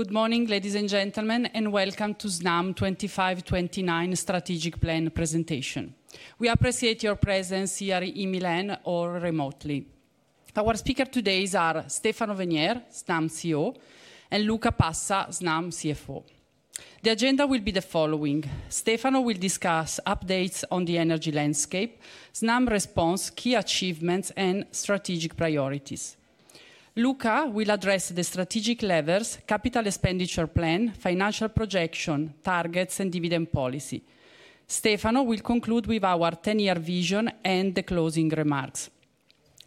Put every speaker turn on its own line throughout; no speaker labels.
Good morning, ladies and gentlemen, and welcome to Snam 2025-2029 Strategic Plan Presentation. We appreciate your presence here in Milan or remotely. Our speakers today are Stefano Venier, Snam CEO, and Luca Passa, Snam CFO. The agenda will be the following: Stefano will discuss updates on the energy landscape, Snam response, key achievements, and strategic priorities. Luca will address the strategic levers, capital expenditure plan, financial projection targets, and dividend policy. Stefano will conclude with our 10-year vision and the closing remarks.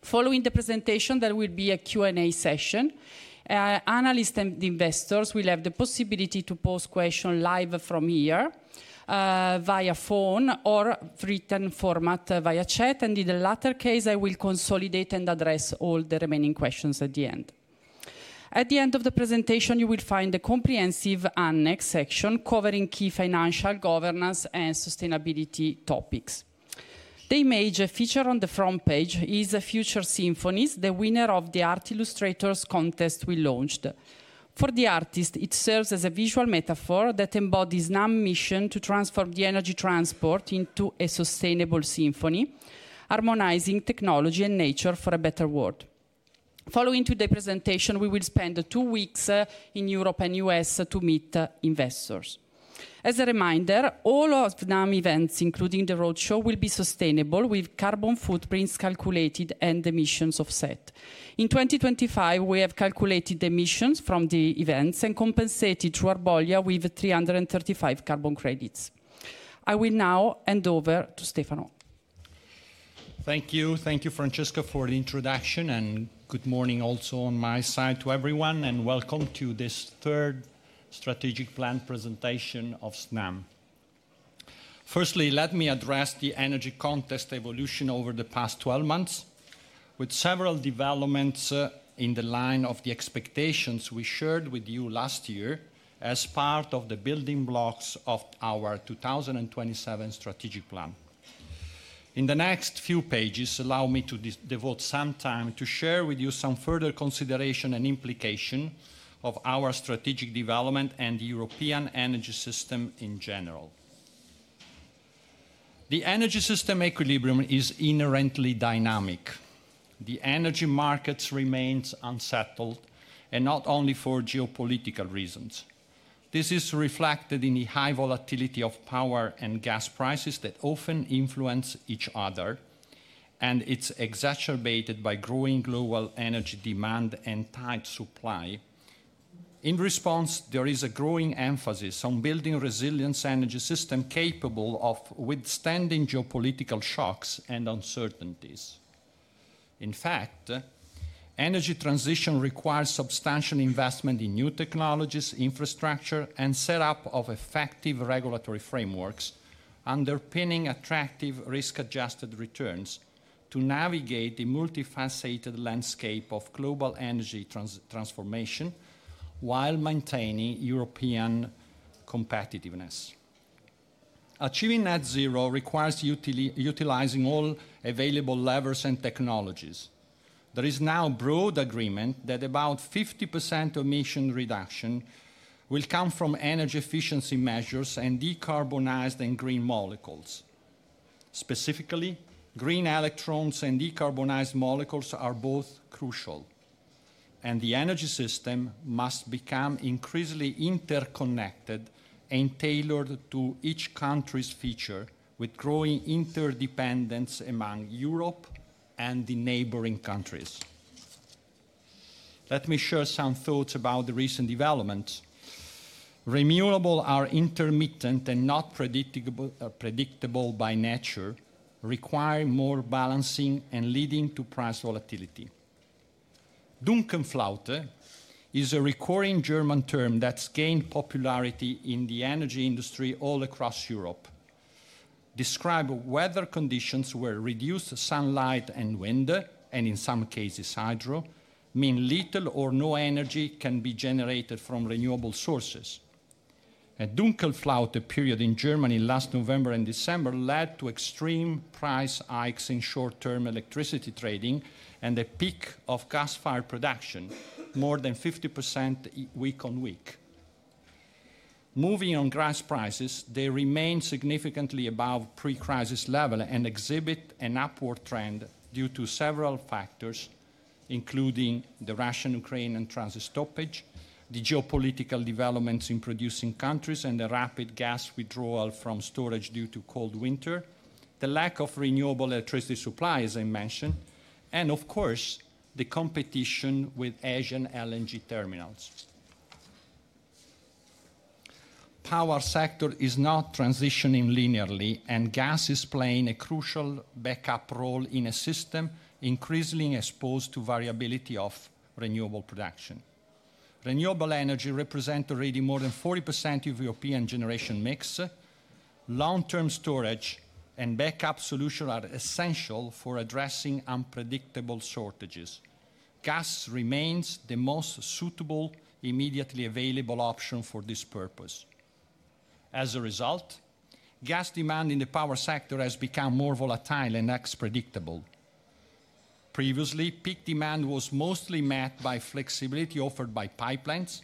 Following the presentation, there will be a Q&A session. Analysts and investors will have the possibility to post questions live from here via phone or written format via chat, and in the latter case, I will consolidate and address all the remaining questions at the end. At the end of the presentation, you will find a comprehensive annex section covering key financial governance and sustainability topics. The image featured on the front page is The Future Symphonist the winner of the Art Illustrators contest we launched. For the artist, it serves as a visual metaphor that embodies Snam's mission to transform the energy transport into a sustainable symphony, harmonizing technology and nature for a better world. Following today's presentation, we will spend two weeks in Europe and the U.S. to meet investors. As a reminder, all of Snam events, including the roadshow, will be sustainable, with carbon footprints calculated and emissions offset. In 2025, we have calculated the emissions from the events and compensated through Arbolia with 335 carbon credits. I will now hand over to Stefano.
Thank you. Thank you, Francesca, for the introduction, and good morning also on my side to everyone, and welcome to this third strategic plan presentation of Snam. First, let me address the energy context evolution over the past 12 months, with several developments in line with the expectations we shared with you last year as part of the building blocks of our 2027 strategic plan. In the next few pages, allow me to devote some time to share with you some further considerations and implications of our strategic development and the European energy system in general. The energy system equilibrium is inherently dynamic. The energy market remains unsettled, and not only for geopolitical reasons. This is reflected in the high volatility of power and gas prices that often influence each other, and it's exacerbated by growing global energy demand and tight supply. In response, there is a growing emphasis on building resilient energy systems capable of withstanding geopolitical shocks and uncertainties. In fact, energy transition requires substantial investment in new technologies, infrastructure, and setup of effective regulatory frameworks underpinning attractive risk-adjusted returns to navigate the multifaceted landscape of global energy transformation while maintaining European competitiveness. Achieving net zero requires utilizing all available levers and technologies. There is now a broad agreement that about 50% emission reduction will come from energy efficiency measures and decarbonized and green molecules. Specifically, green electrons and decarbonized molecules are both crucial, and the energy system must become increasingly interconnected and tailored to each country's feature, with growing interdependence among Europe and the neighboring countries. Let me share some thoughts about the recent developments. Renewables are intermittent and not predictable by nature, requiring more balancing and leading to price volatility. Dunkelflaute is a recurring German term that's gained popularity in the energy industry all across Europe. Described weather conditions where reduced sunlight and wind, and in some cases hydro, mean little or no energy can be generated from renewable sources. A Dunkelflaute period in Germany last November and December led to extreme price hikes in short-term electricity trading and a peak of gas fired production, more than 50% week on week. Moving on gas prices, they remain significantly above pre-crisis levels and exhibit an upward trend due to several factors, including the Russian-Ukrainian transit stoppage, the geopolitical developments in producing countries, and the rapid gas withdrawal from storage due to cold winter, the lack of renewable electricity supply, as I mentioned, and of course, the competition with Asian LNG terminals. The power sector is not transitioning linearly, and gas is playing a crucial backup role in a system increasingly exposed to variability of renewable production. Renewable energy represents already more than 40% of European generation mix. Long-term storage and backup solutions are essential for addressing unpredictable shortages. Gas remains the most suitable immediately available option for this purpose. As a result, gas demand in the power sector has become more volatile and less predictable. Previously, peak demand was mostly met by flexibility offered by pipelines,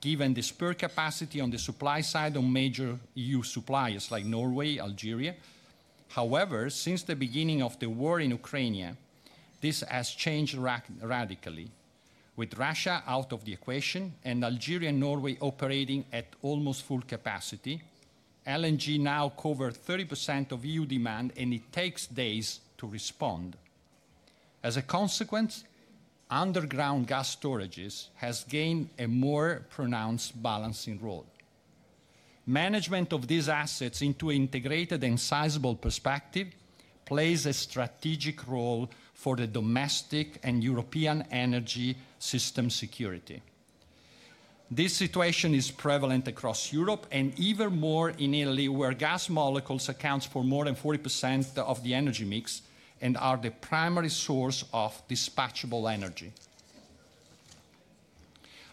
given the spare capacity on the supply side of major EU suppliers like Norway and Algeria. However, since the beginning of the war in Ukraine, this has changed radically. With Russia out of the equation and Algeria and Norway operating at almost full capacity, LNG now covers 30% of EU demand, and it takes days to respond. As a consequence, underground gas storages have gained a more pronounced balancing role. Management of these assets into an integrated and sizable perspective plays a strategic role for the domestic and European energy system security. This situation is prevalent across Europe and even more in Italy, where gas molecules account for more than 40% of the energy mix and are the primary source of dispatchable energy.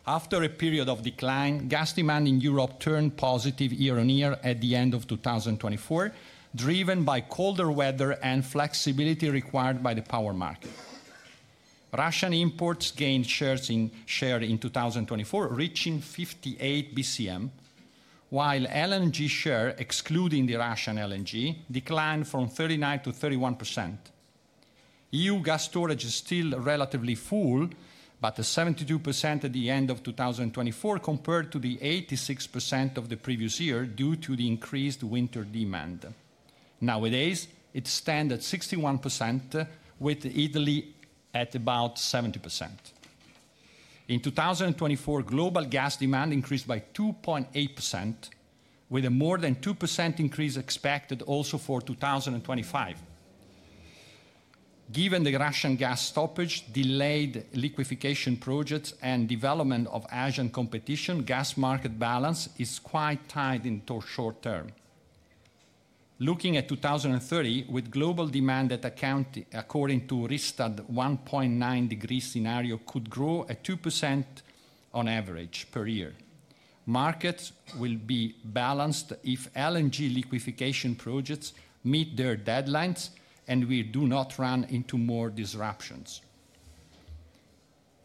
After a period of decline, gas demand in Europe turned positive year on year at the end of 2024, driven by colder weather and flexibility required by the power market. Russian imports gained share in 2024, reaching 58 BCM, while LNG share, excluding the Russian LNG, declined from 39% to 31%. EU gas storage is still relatively full, but 72% at the end of 2024 compared to the 86% of the previous year due to the increased winter demand. Nowadays, it stands at 61%, with Italy at about 70%. In 2024, global gas demand increased by 2.8%, with a more than 2% increase expected also for 2025. Given the Russian gas stoppage, delayed liquefaction projects, and development of Asian competition, gas market balance is quite tight in the short term. Looking at 2030, with global demand that, according to Rystad, a 1.9-degree scenario could grow at 2% on average per year. Markets will be balanced if LNG liquefaction projects meet their deadlines and we do not run into more disruptions.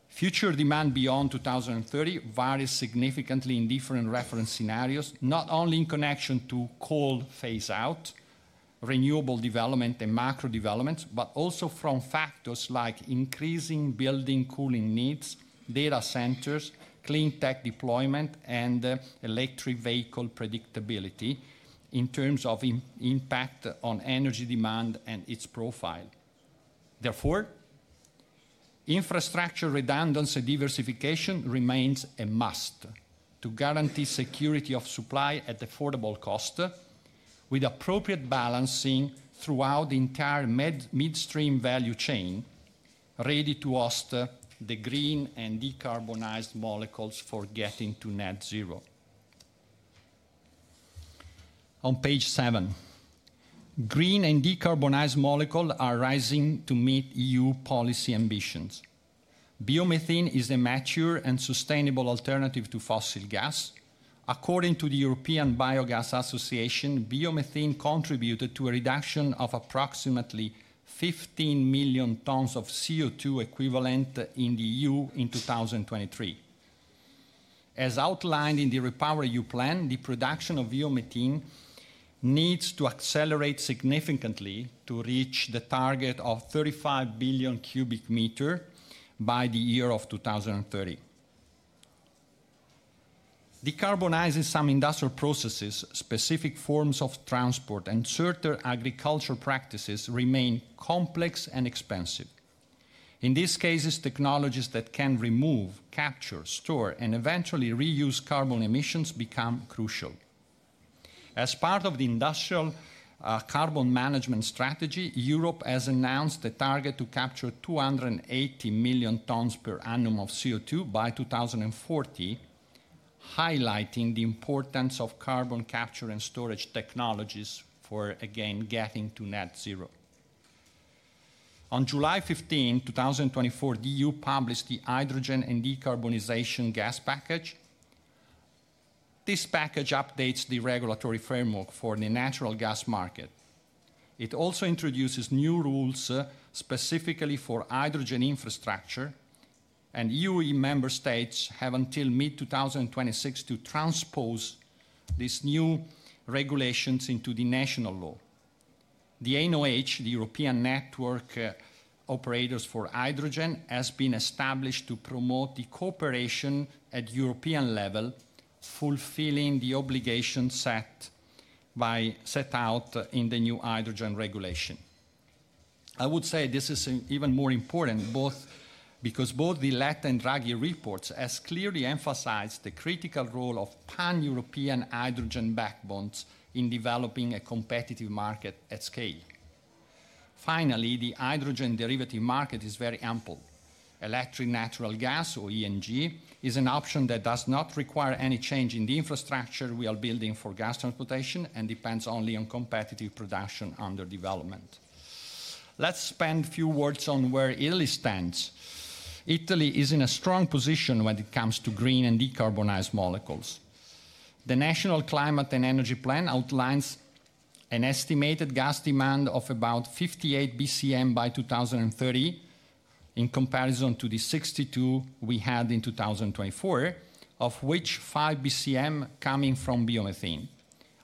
Future demand beyond 2030 varies significantly in different reference scenarios, not only in connection to coal phase-out, renewable development, and macro development, but also from factors like increasing building cooling needs, data centers, clean tech deployment, and electric vehicle predictability in terms of impact on energy demand and its profile. Therefore, infrastructure redundancy and diversification remain a must to guarantee security of supply at affordable cost, with appropriate balancing throughout the entire midstream value chain, ready to host the green and decarbonized molecules for getting to Net Zero. On page seven, green and decarbonized molecules are rising to meet EU policy ambitions. Biomethane is a mature and sustainable alternative to fossil gas. According to the European Biogas Association, biomethane contributed to a reduction of approximately 15 million tons of CO2 equivalent in the EU in 2023. As outlined in the REPowerEU Plan, the production of biomethane needs to accelerate significantly to reach the target of 35 billion cubic meters by the year of 2030. Decarbonizing some industrial processes, specific forms of transport, and certain agricultural practices remain complex and expensive. In these cases, technologies that can remove, capture, store, and eventually reuse carbon emissions become crucial. As part of the industrial carbon management strategy, Europe has announced a target to capture 280 million tons per annum of CO2 by 2040, highlighting the importance of carbon capture and storage technologies for, again, getting to net zero. On July 15, 2024, the EU published the Hydrogen and Decarbonization Gas Package. This package updates the regulatory framework for the natural gas market. It also introduces new rules specifically for hydrogen infrastructure, and EU member states have until mid-2026 to transpose these new regulations into the national law. The ENNOH, the European Network of Operators for Hydrogen, has been established to promote the cooperation at the European level, fulfilling the obligations set out in the new hydrogen regulation. I would say this is even more important because both the Letta and Draghi reports clearly emphasize the critical role of pan-European hydrogen backbones in developing a competitive market at scale. Finally, the hydrogen derivative market is very ample. Electric natural gas, or e-NG, is an option that does not require any change in the infrastructure we are building for gas transportation and depends only on competitive production under development. Let's spend a few words on where Italy stands. Italy is in a strong position when it comes to green and decarbonized molecules. The National Climate and Energy Plan outlines an estimated gas demand of about 58 BCM by 2030 in comparison to the 62 we had in 2024, of which 5 BCM coming from biomethane.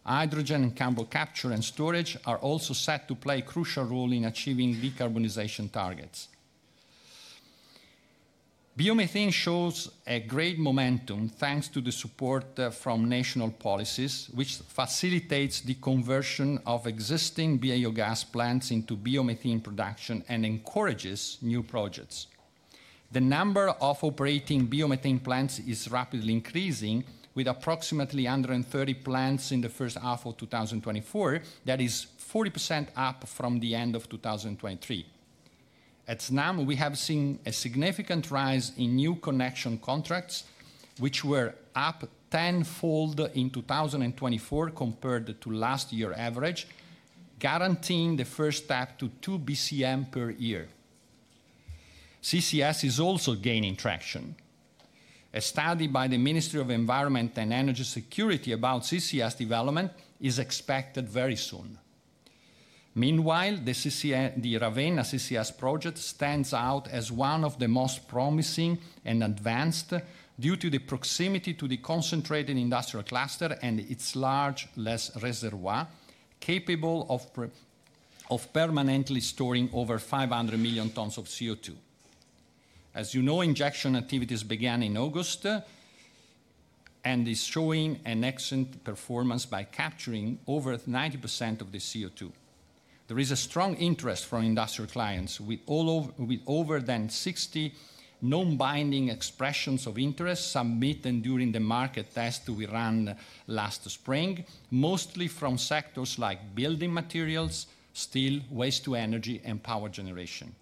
Hydrogen and carbon capture and storage are also set to play a crucial role in achieving decarbonization targets. Biomethane shows a great momentum thanks to the support from national policies, which facilitates the conversion of existing biogas plants into biomethane production and encourages new projects. The number of operating biomethane plants is rapidly increasing, with approximately 130 plants in the first half of 2024. That is 40% up from the end of 2023. At Snam, we have seen a significant rise in new connection contracts, which were up tenfold in 2024 compared to last year's average, guaranteeing the first step to two BCM per year. CCS is also gaining traction. A study by the Ministry of Environment and Energy Security about CCS development is expected very soon. Meanwhile, the Ravenna CCS project stands out as one of the most promising and advanced due to the proximity to the concentrated industrial cluster and its large reservoir capable of permanently storing over 500 million tons of CO2. As you know, injection activities began in August and are showing an excellent performance by capturing over 90% of the CO2. There is a strong interest from industrial clients with more than 60 non-binding expressions of interest submitted during the market test we ran last spring, mostly from sectors like building materials, steel, waste-to-energy, and power generation.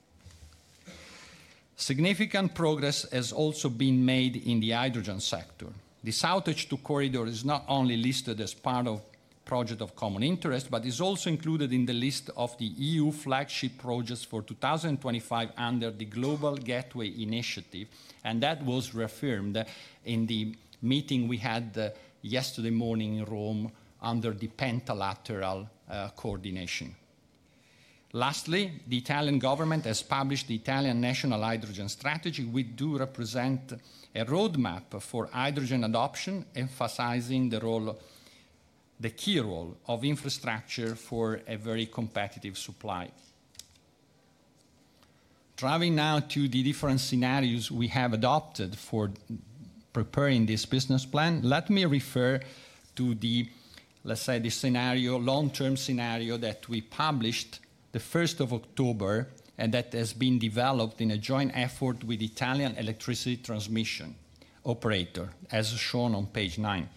Significant progress has also been made in the hydrogen sector. This SoutH2 Corridor is not only listed as part of a project of common interest, but is also included in the list of the EU flagship projects for 2025 under the Global Gateway Initiative, and that was reaffirmed in the meeting we had yesterday morning in Rome under the Pentalateral coordination. Lastly, the Italian government has published the Italian National Hydrogen Strategy, which does represent a roadmap for hydrogen adoption, emphasizing the key role of infrastructure for a very competitive supply. Turning now to the different scenarios we have adopted for preparing this business plan, let me refer to the, let's say, the long-term scenario that we published the 1st of October and that has been developed in a joint effort with the Italian electricity transmission operator, as shown on page nine.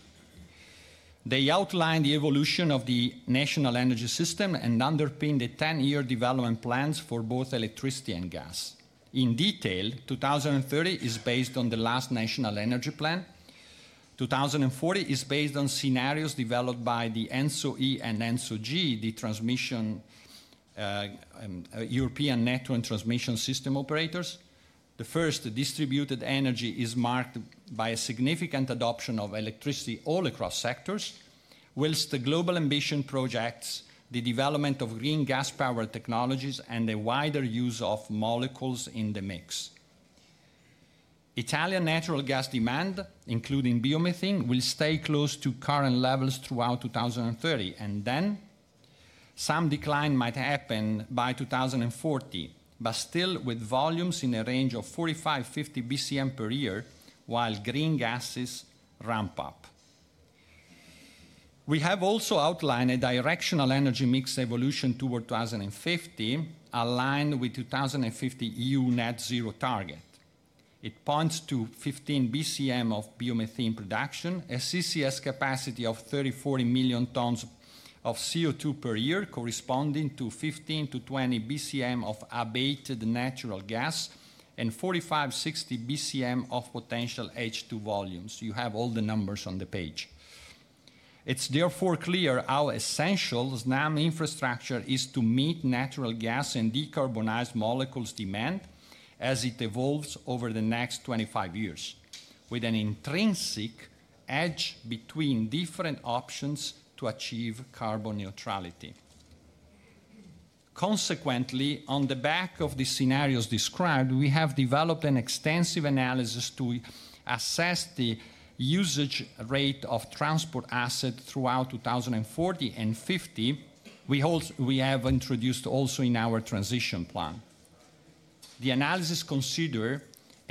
They outlined the evolution of the national energy system and underpinned the 10-year development plans for both electricity and gas. In detail, 2030 is based on the last national energy plan. 2040 is based on scenarios developed by the ENTSO-E and ENTSO-G, the European Network and Transmission System Operators. The first distributed energy is marked by a significant adoption of electricity all across sectors, while the global ambition projects the development of green gas power technologies and a wider use of molecules in the mix. Italian natural gas demand, including biomethane, will stay close to current levels throughout 2030, and then some decline might happen by 2040, but still with volumes in a range of 45-50 BCM per year while green gases ramp up. We have also outlined a directional energy mix evolution toward 2050, aligned with the 2050 EU net zero target. It points to 15 BCM of biomethane production, a CCS capacity of 30-40 million tons of CO2 per year, corresponding to 15-20 BCM of abated natural gas and 45-60 BCM of potential H2 volumes. You have all the numbers on the page. It's therefore clear how essential Snam infrastructure is to meet natural gas and decarbonized molecules' demand as it evolves over the next 25 years, with an intrinsic edge between different options to achieve carbon neutrality. Consequently, on the back of the scenarios described, we have developed an extensive analysis to assess the usage rate of transport assets throughout 2040 and 2050, which we have introduced also in our transition plan. The analysis considers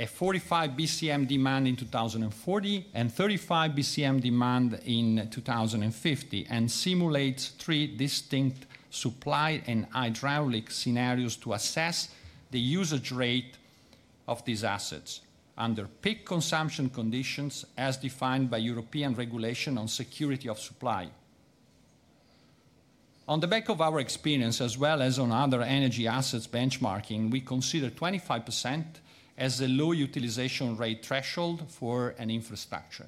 a 45 BCM demand in 2040 and 35 BCM demand in 2050 and simulates three distinct supply and hydraulic scenarios to assess the usage rate of these assets under peak consumption conditions as defined by European regulation on security of supply. On the back of our experience, as well as on other energy assets benchmarking, we consider 25% as a low utilization rate threshold for an infrastructure.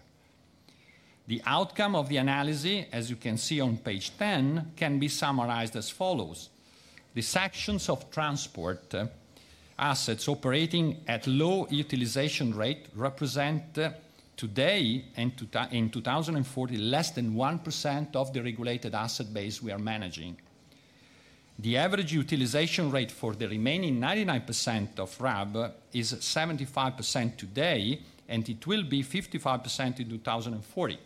The outcome of the analysis, as you can see on page 10, can be summarized as follows. The sections of transport assets operating at low utilization rate represent today and in 2040 less than 1% of the regulated asset base we are managing. The average utilization rate for the remaining 99% of RAB is 75% today, and it will be 55% in 2040.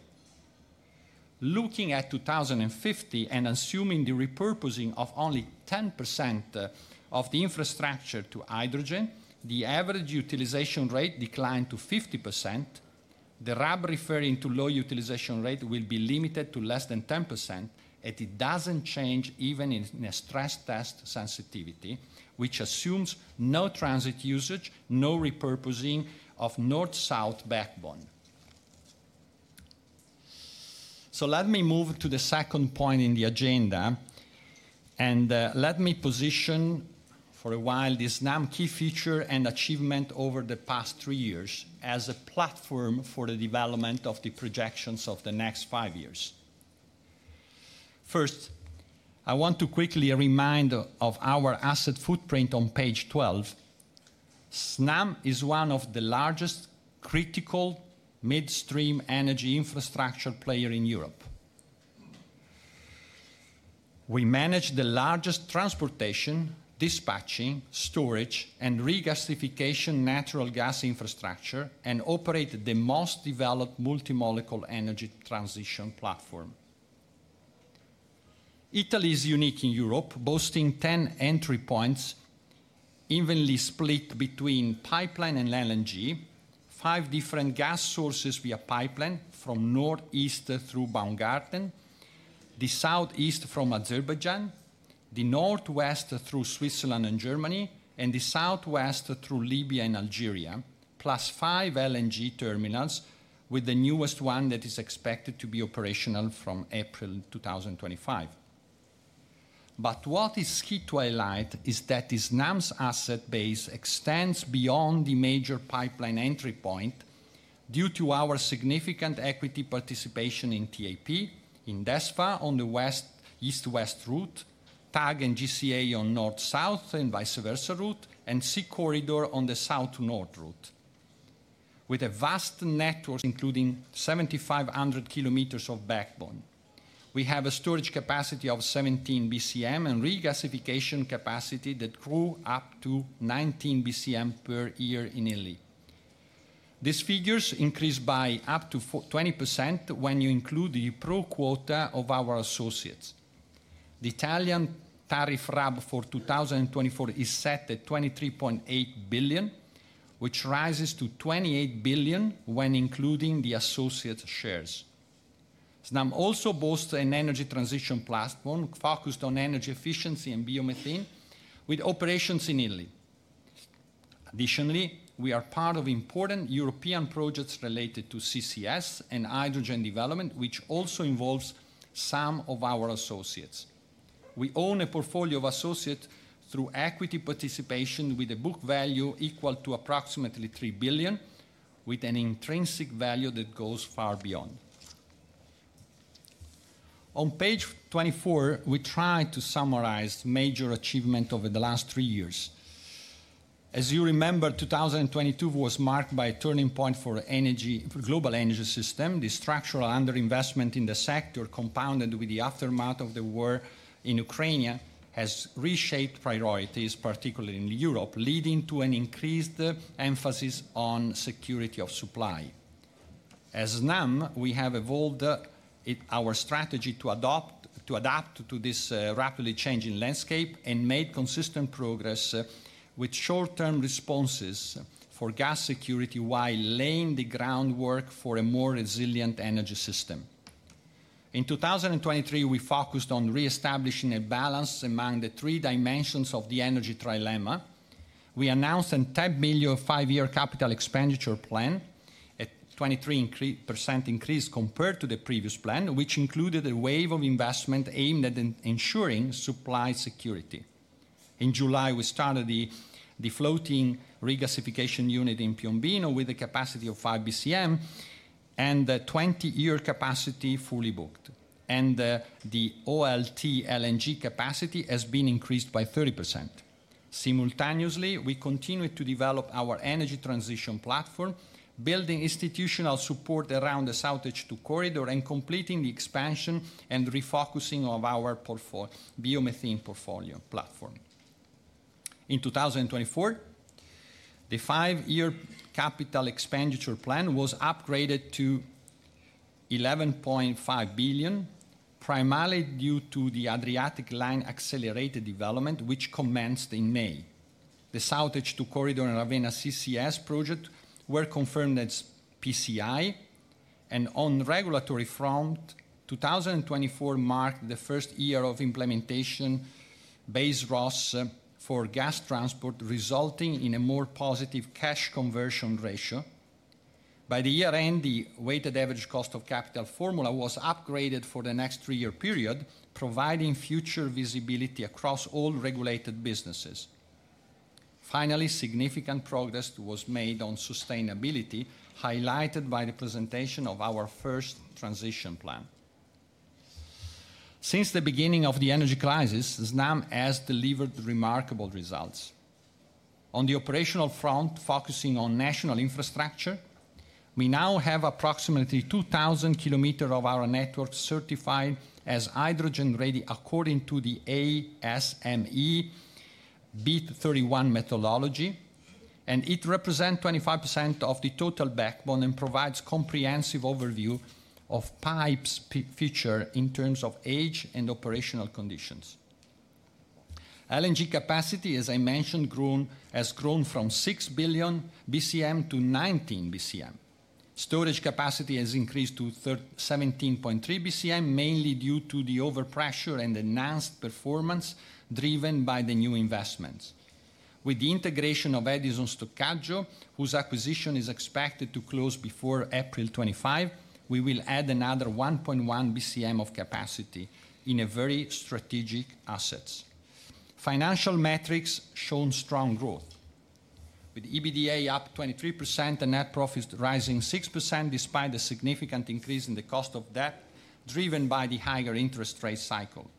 Looking at 2050 and assuming the repurposing of only 10% of the infrastructure to hydrogen, the average utilization rate declined to 50%. The RAB referring to low utilization rate will be limited to less than 10%, and it doesn't change even in a stress test sensitivity, which assumes no transit usage, no repurposing of north-south backbone. So let me move to the second point in the agenda, and let me position for a while the Snam key feature and achievement over the past three years as a platform for the development of the projections of the next five years. First, I want to quickly remind you of our asset footprint on page 12. Snam is one of the largest critical midstream energy infrastructure players in Europe. We manage the largest transportation, dispatching, storage, and regasification natural gas infrastructure and operate the most developed multi-molecule energy transition platform. Italy is unique in Europe, boasting 10 entry points evenly split between pipeline and LNG, five different gas sources via pipeline from northeast through Baumgarten, the southeast from Azerbaijan, the northwest through Switzerland and Germany, and the southwest through Libya and Algeria, plus five LNG terminals, with the newest one that is expected to be operational from April 2025, but what is key to highlight is that Snam's asset base extends beyond the major pipeline entry point due to our significant equity participation in TAP, in DESFA on the west-east-west route, TAG and GCA on north-south and vice versa route, and SeaCorridor on the south-north route. With a vast network including 7,500 kilometers of backbone, we have a storage capacity of 17 BCM and regasification capacity that grew up to 19 BCM per year in Italy. These figures increase by up to 20% when you include the pro quota of our associates. The Italian tariff RAB for 2024 is set at 23.8 billion, which rises to 28 billion when including the associates' shares. Snam also boasts an energy transition platform focused on energy efficiency and biomethane with operations in Italy. Additionally, we are part of important European projects related to CCS and hydrogen development, which also involves some of our associates. We own a portfolio of associates through equity participation with a book value equal to approximately 3 billion, with an intrinsic value that goes far beyond. On page 24, we try to summarize major achievements over the last three years. As you remember, 2022 was marked by a turning point for the global energy system. The structural underinvestment in the sector, compounded with the aftermath of the war in Ukraine, has reshaped priorities, particularly in Europe, leading to an increased emphasis on security of supply. As Snam, we have evolved our strategy to adapt to this rapidly changing landscape and made consistent progress with short-term responses for gas security while laying the groundwork for a more resilient energy system. In 2023, we focused on reestablishing a balance among the three dimensions of the energy trilemma. We announced a 10 billion five-year capital expenditure plan, a 23% increase compared to the previous plan, which included a wave of investment aimed at ensuring supply security. In July, we started the floating regasification unit in Piombino with a capacity of 5 BCM and a 20-year capacity fully booked. The OLT LNG capacity has been increased by 30%. Simultaneously, we continued to develop our energy transition platform, building institutional support around the SoutH2 Corridor and completing the expansion and refocusing of our biomethane portfolio platform. In 2024, the five-year capital expenditure plan was upgraded to 11.5 billion, primarily due to the Adriatic Line accelerated development, which commenced in May. The SoutH2 Corridor and Ravenna CCS project were confirmed as PCI, and on regulatory front, 2024 marked the first year of implementation Base ROSS for gas transport, resulting in a more positive cash conversion ratio. By the year end, the weighted average cost of capital formula was upgraded for the next three-year period, providing future visibility across all regulated businesses. Finally, significant progress was made on sustainability, highlighted by the presentation of our first transition plan. Since the beginning of the energy crisis, Snam has delivered remarkable results. On the operational front, focusing on national infrastructure, we now have approximately 2,000 kilometers of our network certified as hydrogen-ready according to the ASME B31.12 methodology, and it represents 25% of the total backbone and provides a comprehensive overview of pipes' features in terms of age and operational conditions. LNG capacity, as I mentioned, has grown from 6 BCM to 19 BCM. Storage capacity has increased to 17.3 BCM, mainly due to the overpressure and enhanced performance driven by the new investments. With the integration of Edison Stoccaggio, whose acquisition is expected to close before April 25, we will add another 1.1 BCM of capacity in very strategic assets. Financial metrics show strong growth, with EBITDA up 23% and net profits rising 6% despite a significant increase in the cost of debt driven by the higher interest rate cycle.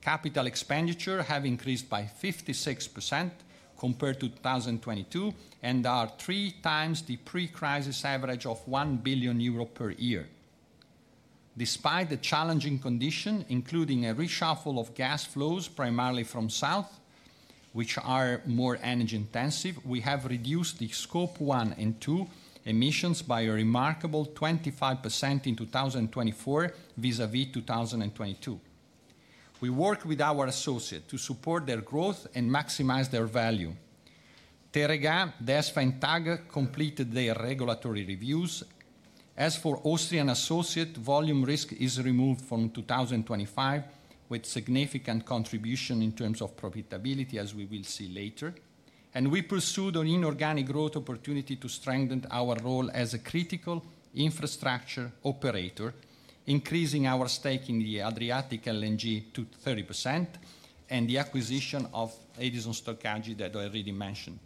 Capital expenditure has increased by 56% compared to 2022 and is three times the pre-crisis average of 1 billion euro per year. Despite the challenging condition, including a reshuffle of gas flows primarily from south, which are more energy intensive, we have reduced the Scope 1 and 2 emissions by a remarkable 25% in 2024 vis-à-vis 2022. We work with our associates to support their growth and maximize their value. Teréga, DESFA and TAG completed their regulatory reviews. As for Austrian associates, volume risk is removed from 2025 with significant contribution in terms of profitability, as we will see later. And we pursued an inorganic growth opportunity to strengthen our role as a critical infrastructure operator, increasing our stake in the Adriatic LNG to 30% and the acquisition of Edison Stoccaggio that I already mentioned.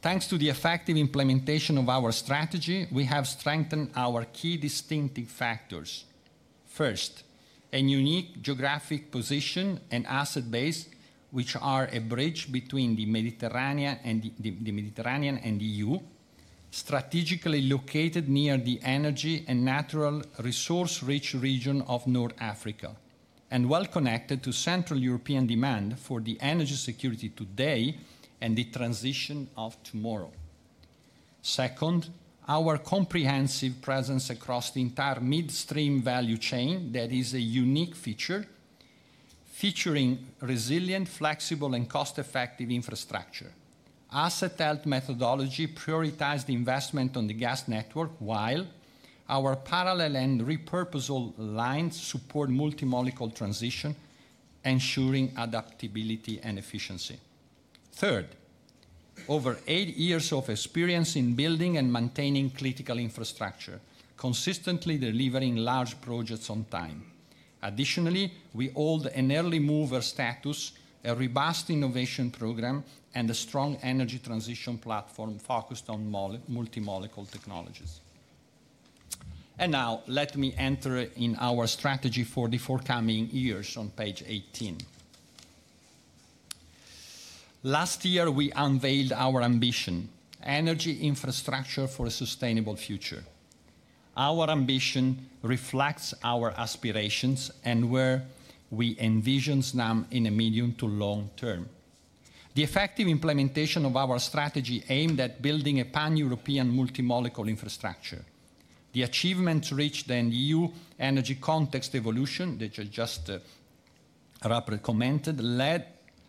Thanks to the effective implementation of our strategy, we have strengthened our key distinctive factors. First, a unique geographic position and asset base, which are a bridge between the Mediterranean and the EU, strategically located near the energy and natural resource-rich region of North Africa, and well connected to Central European demand for the energy security today and the transition of tomorrow. Second, our comprehensive presence across the entire midstream value chain that is a unique feature, featuring resilient, flexible, and cost-effective infrastructure. Asset Health Methodology prioritized investment on the gas network while our parallel and repurposable lines support multi-molecule transition, ensuring adaptability and efficiency. Third, over eight years of experience in building and maintaining critical infrastructure, consistently delivering large projects on time. Additionally, we hold an early mover status, a robust innovation program, and a strong energy transition platform focused on multi-molecule technologies. And now, let me enter in our strategy for the forthcoming years on page 18. Last year, we unveiled our ambition, energy infrastructure for a sustainable future. Our ambition reflects our aspirations and where we envision Snam in the medium to long term. The effective implementation of our strategy aimed at building a pan-European multi-molecule infrastructure. The achievements reached the EU energy context evolution that I just rapidly commented led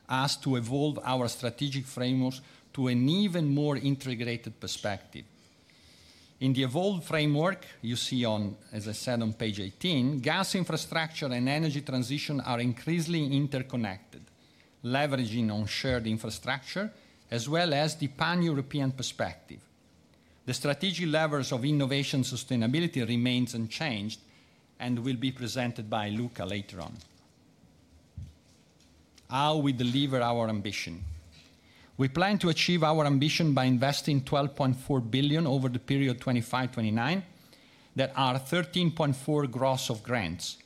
us to evolve our strategic frameworks to an even more integrated perspective. In the evolved framework, you see on, as I said, on page 18, gas infrastructure and energy transition are increasingly interconnected, leveraging on shared infrastructure as well as the pan-European perspective. The strategic levers of innovation sustainability remain unchanged and will be presented by Luca later on. How we deliver our ambition. We plan to achieve our ambition by investing 12.4 billion over the period 2025-2029, that are 13.4 billion gross of grants,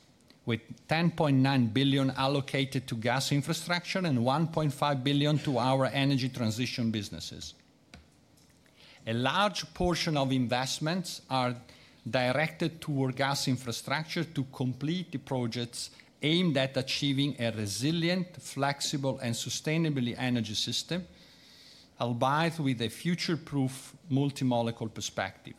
with 10.9 billion allocated to gas infrastructure and 1.5 billion to our energy transition businesses. A large portion of investments are directed toward gas infrastructure to complete the projects aimed at achieving a resilient, flexible, and sustainable energy system, albeit with a future-proof multi-molecule perspective.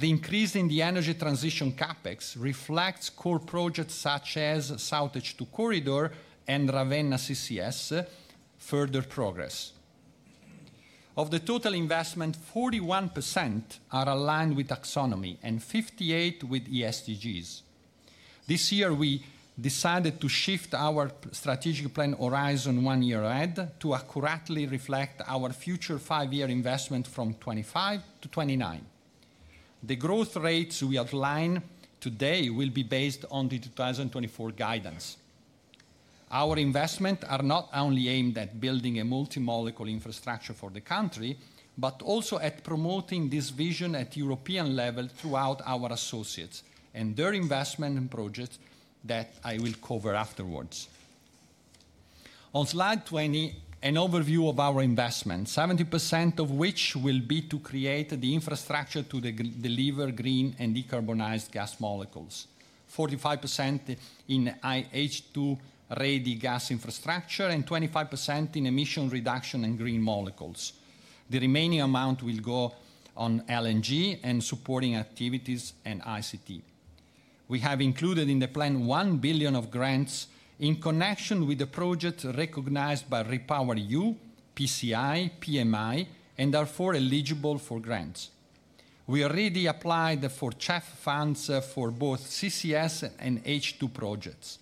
The increase in the energy transition CapEx reflects core projects such as SoutH2 Corridor and Ravenna CCS further progress. Of the total investment, 41% are aligned with Taxonomy and 58% with SDGs. This year, we decided to shift our strategic plan horizon one year ahead to accurately reflect our future five-year investment from 2025 to 2029. The growth rates we outline today will be based on the 2024 guidance. Our investments are not only aimed at building a multi-molecule infrastructure for the country, but also at promoting this vision at European level throughout our associates and their investment projects that I will cover afterwards. On slide 20, an overview of our investments, 70% of which will be to create the infrastructure to deliver green and decarbonized gas molecules, 45% in H2-ready gas infrastructure, and 25% in emission reduction and green molecules. The remaining amount will go on LNG and supporting activities and ICT. We have included in the plan 1 billion of grants in connection with the projects recognized by REPowerEU, PCI, PMI, and are eligible for grants. We already applied for CEF funds for both CCS and H2 projects.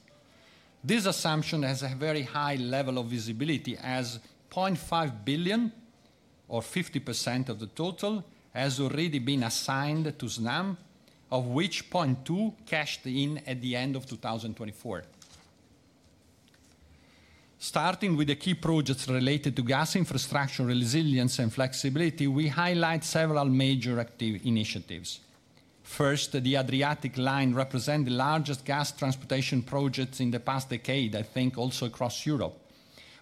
This assumption has a very high level of visibility as 0.5 billion, or 50% of the total, has already been assigned to Snam, of which 0.2 billion cashed in at the end of 2024. Starting with the key projects related to gas infrastructure resilience and flexibility, we highlight several major initiatives. First, the Adriatic Line represents the largest gas transportation projects in the past decade, I think also across Europe,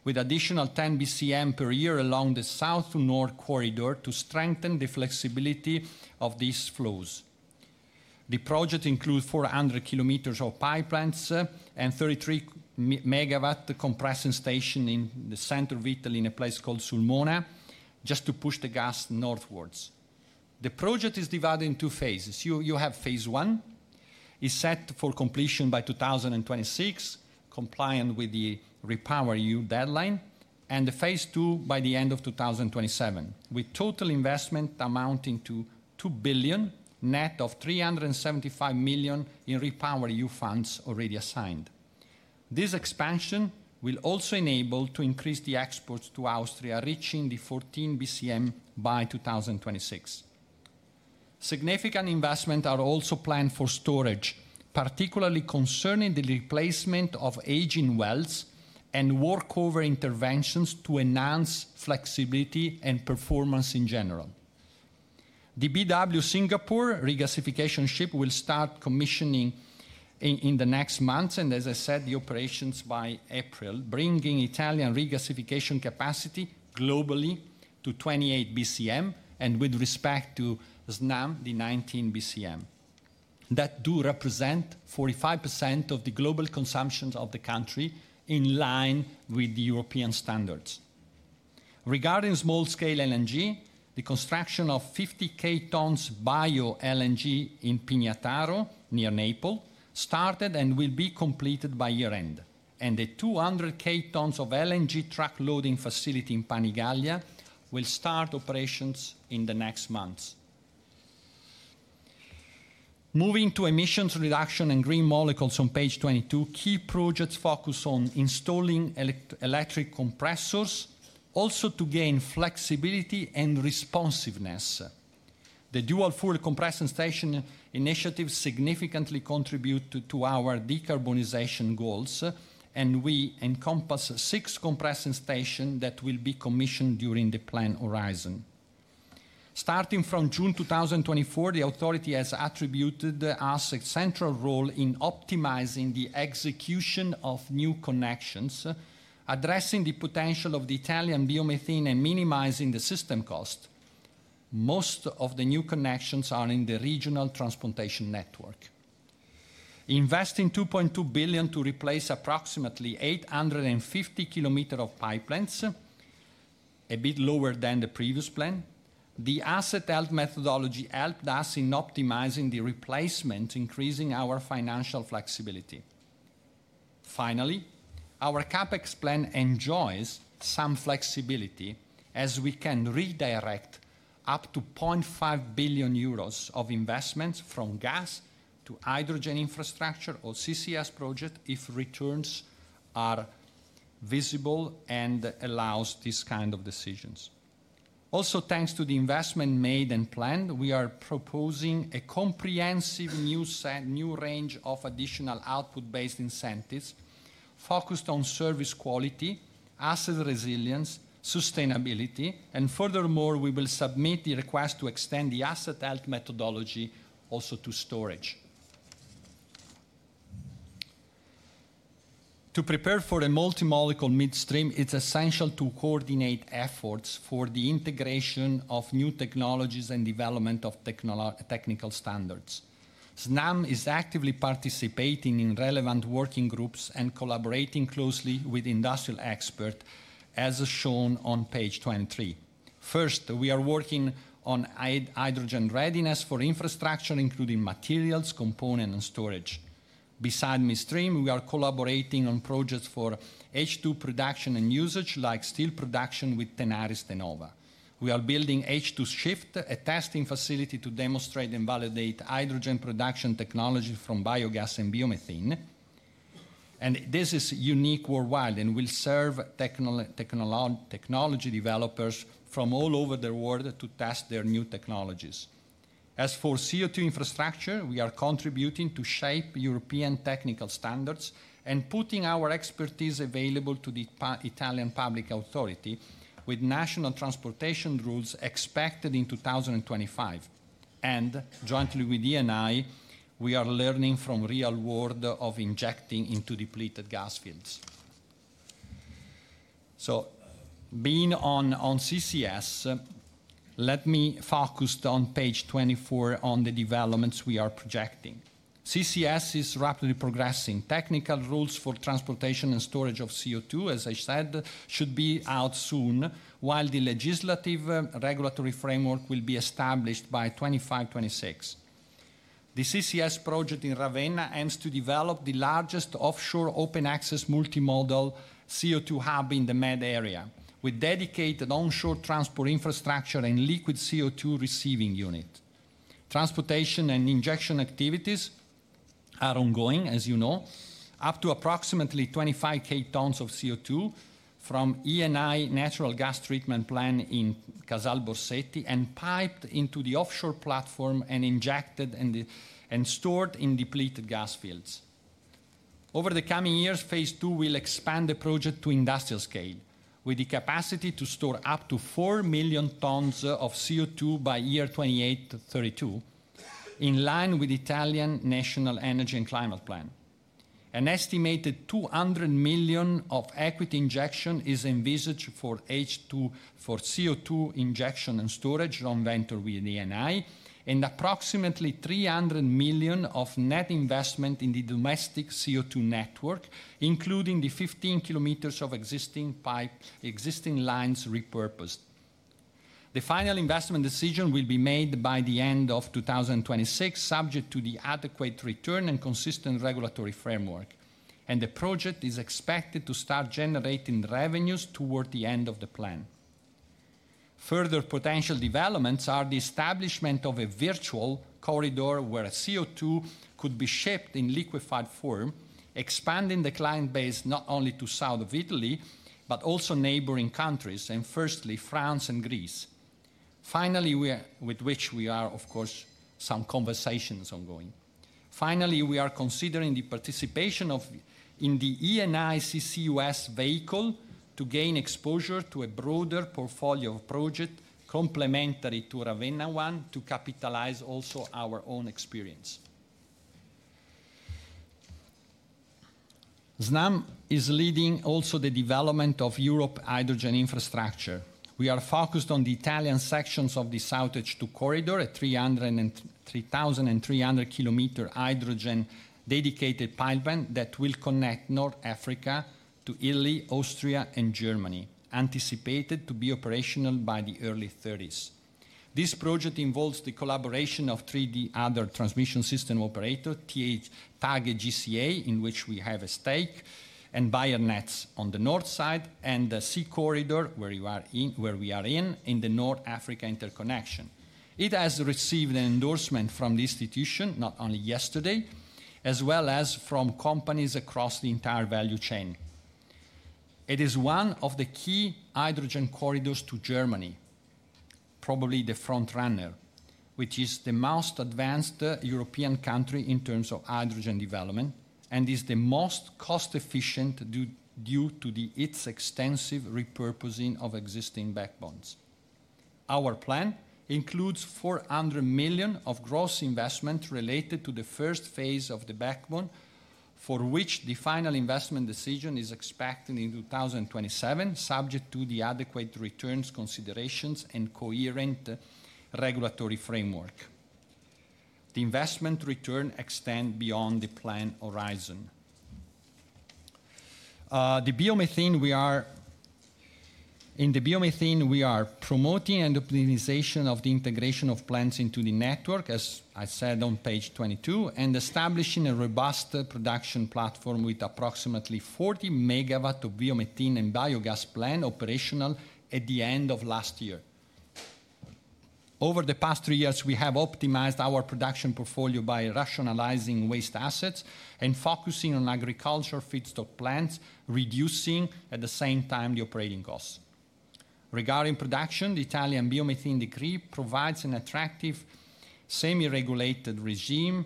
with additional 10 BCM per year along the south to north corridor to strengthen the flexibility of these flows. The project includes 400 km of pipelines and 33 megawatt compression stations in the center of Italy in a place called Sulmona, just to push the gas northwards. The project is divided in two phases. You have phase one, is set for completion by 2026, compliant with the REPowerEU deadline, and phase two by the end of 2027, with total investment amounting to 2 billion, net of 375 million in REPowerEU funds already assigned. This expansion will also enable to increase the exports to Austria, reaching the 14 BCM by 2026. Significant investments are also planned for storage, particularly concerning the replacement of aging wells and workover interventions to enhance flexibility and performance in general. The BW Singapore regasification ship will start commissioning in the next months and, as I said, the operations by April, bringing Italian regasification capacity globally to 28 BCM and with respect to Snam, the 19 BCM that do represent 45% of the global consumption of the country in line with the European standards. Regarding small-scale LNG, the construction of 50 K tons bio-LNG in Pignataro, near Naples, started and will be completed by year-end, and the 200 K tons of LNG truck loading facility in Panigaglia will start operations in the next months. Moving to emissions reduction and green molecules on page 22, key projects focus on installing electric compressors also to gain flexibility and responsiveness. The dual-fuel compression station initiative significantly contributes to our decarbonization goals, and we encompass six compression stations that will be commissioned during the planned horizon. Starting from June 2024, the authority has attributed us a central role in optimizing the execution of new connections, addressing the potential of the Italian biomethane and minimizing the system cost. Most of the new connections are in the regional transportation network. Investing 2.2 billion to replace approximately 850 km of pipelines, a bit lower than the previous plan. The asset health methodology helped us in optimizing the replacement, increasing our financial flexibility. Finally, our CapEx plan enjoys some flexibility as we can redirect up to 0.5 billion euros of investments from gas to hydrogen infrastructure or CCS projects if returns are visible and allow this kind of decisions. Also, thanks to the investment made and planned, we are proposing a comprehensive new set new range of additional output-based incentives focused on service quality, asset resilience, sustainability, and furthermore, we will submit the request to extend the asset health methodology also to storage. To prepare for a multi-molecule midstream, it's essential to coordinate efforts for the integration of new technologies and development of technical standards. Snam is actively participating in relevant working groups and collaborating closely with industrial experts, as shown on page 23. First, we are working on hydrogen readiness for infrastructure, including materials, components, and storage. Beside midstream, we are collaborating on projects for H2 production and usage like steel production with Tenaris, De Nora. We are building H2 Shift, a testing facility to demonstrate and validate hydrogen production technology from biogas and biomethane. And this is unique worldwide and will serve technology developers from all over the world to test their new technologies. As for CO2 infrastructure, we are contributing to shape European technical standards and putting our expertise available to the Italian public authority with national transportation rules expected in 2025. And jointly with Eni, we are learning from the real world of injecting into depleted gas fields. Being on CCS, let me focus on page 24 on the developments we are projecting. CCS is rapidly progressing. Technical rules for transportation and storage of CO2, as I said, should be out soon, while the legislative regulatory framework will be established by 2025-2026. The CCS project in Ravenna aims to develop the largest offshore open access multimodal CO2 hub in the Med area with dedicated onshore transport infrastructure and liquid CO2 receiving unit. Transportation and injection activities are ongoing, as you know, up to approximately 25 K tons of CO2 from Eni natural gas treatment plant in Casal Borsetti and piped into the offshore platform and injected and stored in depleted gas fields. Over the coming years, phase two will expand the project to industrial scale with the capacity to store up to 4 million tons of CO2 by year 28-32, in line with the Italian National Energy and Climate Plan. An estimated 200 million of equity injection is envisaged for H2 for CO2 injection and storage on venture with Eni and approximately 300 million of net investment in the domestic CO2 network, including the 15 kilometers of existing lines repurposed. The final investment decision will be made by the end of 2026, subject to the adequate return and consistent regulatory framework. The project is expected to start generating revenues toward the end of the plan. Further potential developments are the establishment of a virtual corridor where CO2 could be shipped in liquefied form, expanding the client base not only to the south of Italy, but also neighboring countries, and firstly, France and Greece. Finally, with which we are, of course, some conversations ongoing. Finally, we are considering the participation in the Eni CCUS vehicle to gain exposure to a broader portfolio of projects complementary to Ravenna one to capitalize also our own experience. Snam is leading also the development of Europe's hydrogen infrastructure. We are focused on the Italian sections of the SoutH2 Corridor, a 3,300-kilometer hydrogen dedicated pipeline that will connect North Africa to Italy, Austria, and Germany, anticipated to be operational by the early 30s. This project involves the collaboration of three other transmission system operators, TAG, GCA, in which we have a stake, and Bayernets on the north side, and the SoutH2 Corridor where we are in the North Africa interconnection. It has received an endorsement from the institution not only yesterday, as well as from companies across the entire value chain. It is one of the key hydrogen corridors to Germany, probably the front runner, which is the most advanced European country in terms of hydrogen development and is the most cost-efficient due to its extensive repurposing of existing backbones. Our plan includes 400 million of gross investment related to the first phase of the backbone, for which the final investment decision is expected in 2027, subject to the adequate returns considerations and coherent regulatory framework. The investment return extends beyond the planned horizon. In the biomethane, we are promoting and optimization of the integration of plants into the network, as I said on page 22, and establishing a robust production platform with approximately 40 megawatts of biomethane and biogas plant operational at the end of last year. Over the past three years, we have optimized our production portfolio by rationalizing waste assets and focusing on agriculture feedstock plants, reducing, at the same time, the operating costs. Regarding production, the Italian biomethane decree provides an attractive semi-regulated regime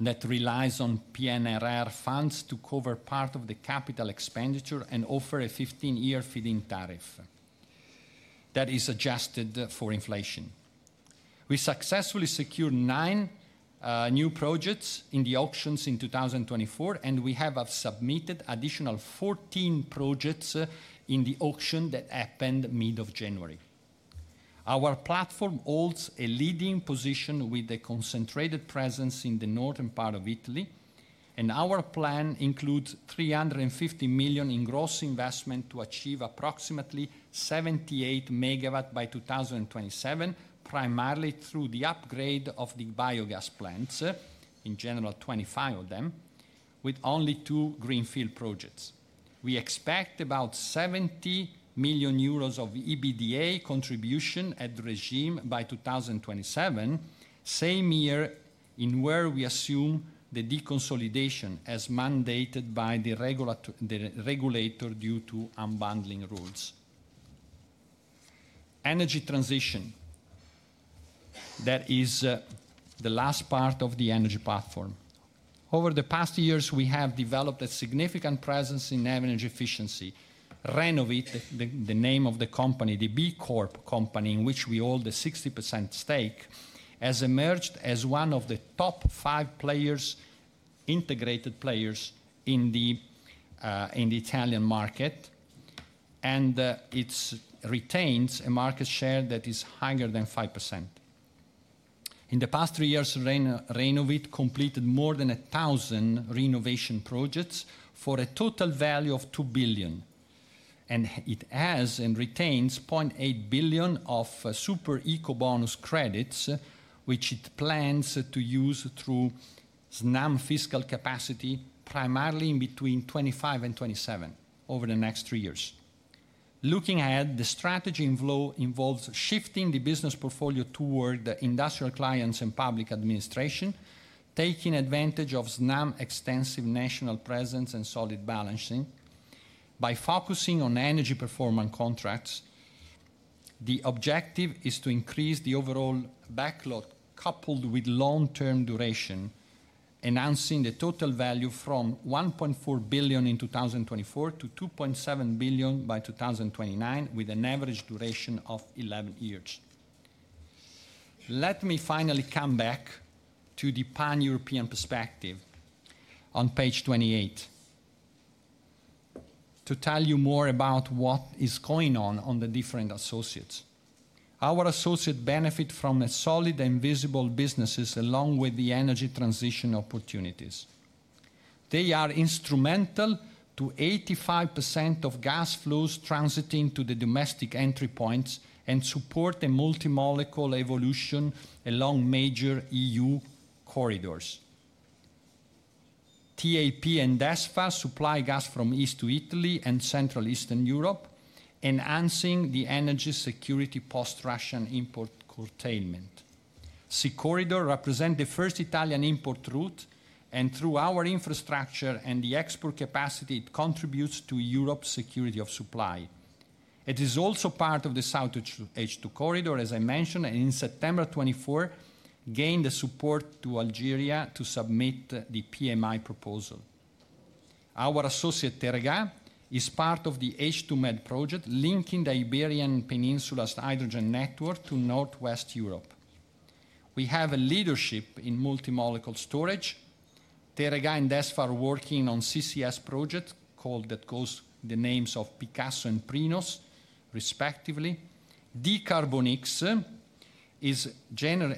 that relies on PNRR funds to cover part of the capital expenditure and offer a 15-year feed-in tariff that is adjusted for inflation. We successfully secured nine new projects in the auctions in 2024, and we have submitted additional 14 projects in the auction that happened mid-January. Our platform holds a leading position with a concentrated presence in the northern part of Italy, and our plan includes 350 million in gross investment to achieve approximately 78 megawatts by 2027, primarily through the upgrade of the biogas plants, in general 25 of them, with only two greenfield projects. We expect about 70 million euros of EBITDA contribution at the regime by 2027, same year in where we assume the deconsolidation as mandated by the regulator due to unbundling rules. Energy transition. That is the last part of the energy platform. Over the past years, we have developed a significant presence in energy efficiency. Renovit, the name of the company, the B Corp company in which we hold a 60% stake, has emerged as one of the top five integrated players in the Italian market, and it retains a market share that is higher than 5%. In the past three years, Renovit completed more than 1,000 renovation projects for a total value of 2 billion, and it has and retains 0.8 billion of Super Ecobonus credits, which it plans to use through Snam's fiscal capacity primarily in between 2025 and 2027 over the next three years. Looking ahead, the strategy involves shifting the business portfolio toward industrial clients and public administration, taking advantage of Snam's extensive national presence and solid balancing by focusing on energy performance contracts. The objective is to increase the overall backlog coupled with long-term duration, enhancing the total value from 1.4 billion in 2024 to 2.7 billion by 2029, with an average duration of 11 years. Let me finally come back to the pan-European perspective on page 28 to tell you more about what is going on the different associates. Our associates benefit from solid and visible businesses along with the energy transition opportunities. They are instrumental to 85% of gas flows transiting to the domestic entry points and support a multi-molecule evolution along major EU corridors. TAP and DESFA supply gas from east to Italy and central eastern Europe, enhancing the energy security post-Russian import containment. SeaCorridor represents the first Italian import route, and through our infrastructure and the export capacity, it contributes to Europe's security of supply. It is also part of the SoutH2 Corridor, as I mentioned, and in September 2024, gained the support to Algeria to submit the PMI proposal. Our associate Teréga is part of the H2MED project, linking the Iberian Peninsula's hydrogen network to northwest Europe. We have a leadership in multi-molecule storage. Teréga and DESFA are working on CCS projects called by the names of Pycasso and Prinos, respectively. dCarbonX is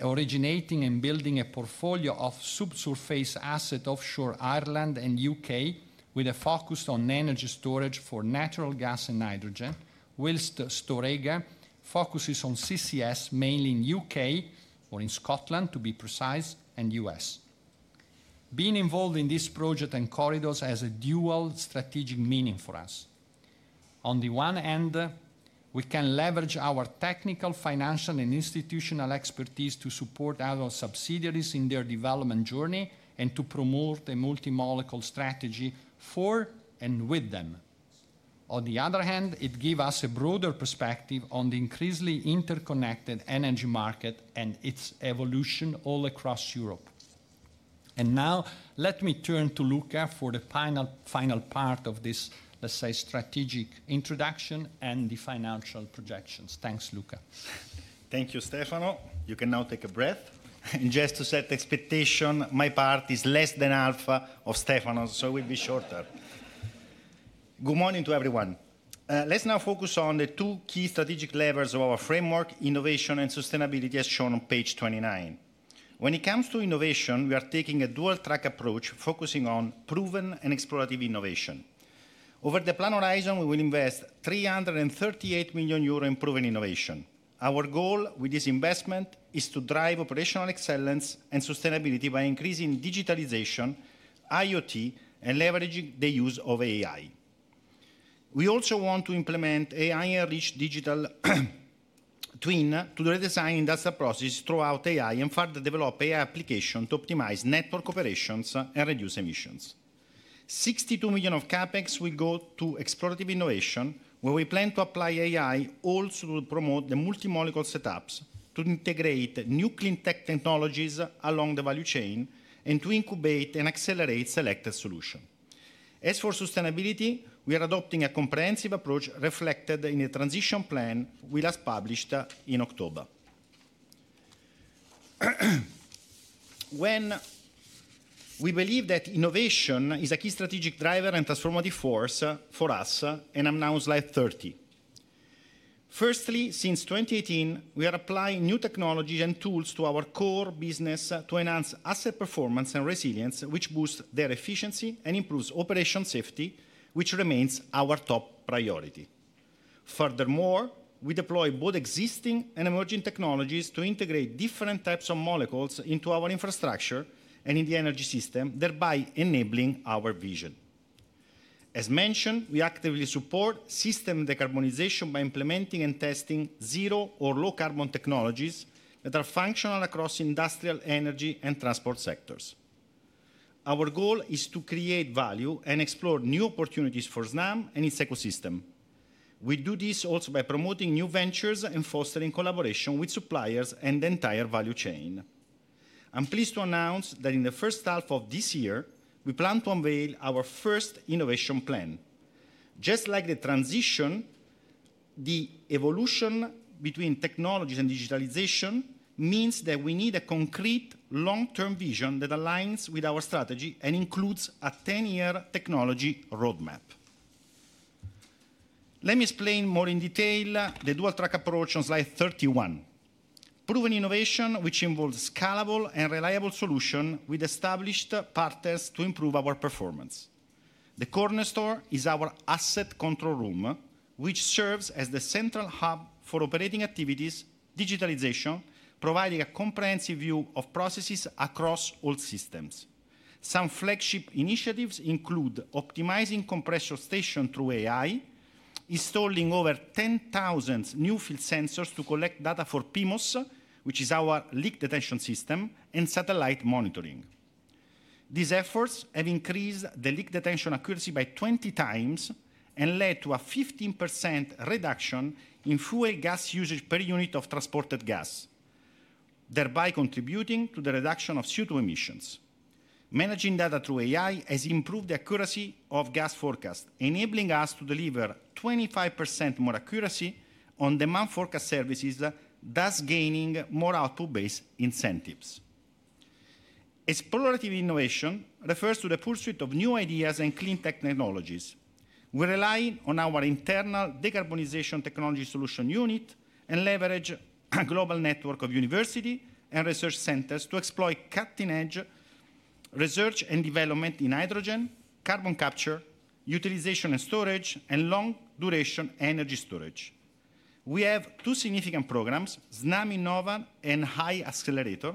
originating and building a portfolio of subsurface assets offshore Ireland and the U.K., with a focus on energy storage for natural gas and hydrogen, while Storegga focuses on CCS mainly in the U.K. or in Scotland, to be precise, and the U.S. Being involved in this project and corridors has a dual strategic meaning for us. On the one hand, we can leverage our technical, financial, and institutional expertise to support our subsidiaries in their development journey and to promote a multi-molecule strategy for and with them. On the other hand, it gives us a broader perspective on the increasingly interconnected energy market and its evolution all across Europe. Now, let me turn to Luca for the final part of this, let's say, strategic introduction and the financial projections. Thanks, Luca.
Thank you, Stefano. You can now take a breath. Just to set the expectation, my part is less than half of Stefano's, so it will be shorter. Good morning to everyone. Let's now focus on the two key strategic levers of our framework, innovation and sustainability, as shown on page 29. When it comes to innovation, we are taking a dual-track approach, focusing on proven and explorative innovation. Over the planned horizon, we will invest 338 million euro in proven innovation. Our goal with this investment is to drive operational excellence and sustainability by increasing digitalization, IoT, and leveraging the use of AI. We also want to implement AI-enriched digital twin to redesign industrial processes throughout AI and further develop AI applications to optimize network operations and reduce emissions. 62 million of CAPEX will go to explorative innovation, where we plan to apply AI also to promote the multi-molecule setups, to integrate new clean tech technologies along the value chain, and to incubate and accelerate selected solutions. As for sustainability, we are adopting a comprehensive approach reflected in the transition plan we last published in October. When we believe that innovation is a key strategic driver and transformative force for us, and I'm now slide 30. Firstly, since 2018, we are applying new technologies and tools to our core business to enhance asset performance and resilience, which boosts their efficiency and improves operation safety, which remains our top priority. Furthermore, we deploy both existing and emerging technologies to integrate different types of molecules into our infrastructure and in the energy system, thereby enabling our vision. As mentioned, we actively support system decarbonization by implementing and testing zero or low-carbon technologies that are functional across industrial, energy, and transport sectors. Our goal is to create value and explore new opportunities for Snam and its ecosystem. We do this also by promoting new ventures and fostering collaboration with suppliers and the entire value chain. I'm pleased to announce that in the first half of this year, we plan to unveil our first innovation plan. Just like the transition, the evolution between technologies and digitalization means that we need a concrete long-term vision that aligns with our strategy and includes a 10-year technology roadmap. Let me explain more in detail the dual-track approach on slide 31. Proven innovation, which involves scalable and reliable solutions with established partners to improve our performance. The cornerstone is our asset control room, which serves as the central hub for operating activities, digitalization, providing a comprehensive view of processes across all systems. Some flagship initiatives include optimizing compressor stations through AI, installing over 10,000 new field sensors to collect data for PIMS, which is our leak detection system, and satellite monitoring. These efforts have increased the leak detection accuracy by 20 times and led to a 15% reduction in fuel gas usage per unit of transported gas, thereby contributing to the reduction of CO2 emissions. Managing data through AI has improved the accuracy of gas forecasts, enabling us to deliver 25% more accuracy on demand forecast services, thus gaining more output-based incentives. Explorative innovation refers to the pursuit of new ideas and clean tech technologies. We rely on our internal decarbonization technology solution unit and leverage a global network of universities and research centers to exploit cutting-edge research and development in hydrogen, carbon capture, utilization and storage, and long-duration energy storage. We have two significant programs, Snam Innova and HyAccelerator,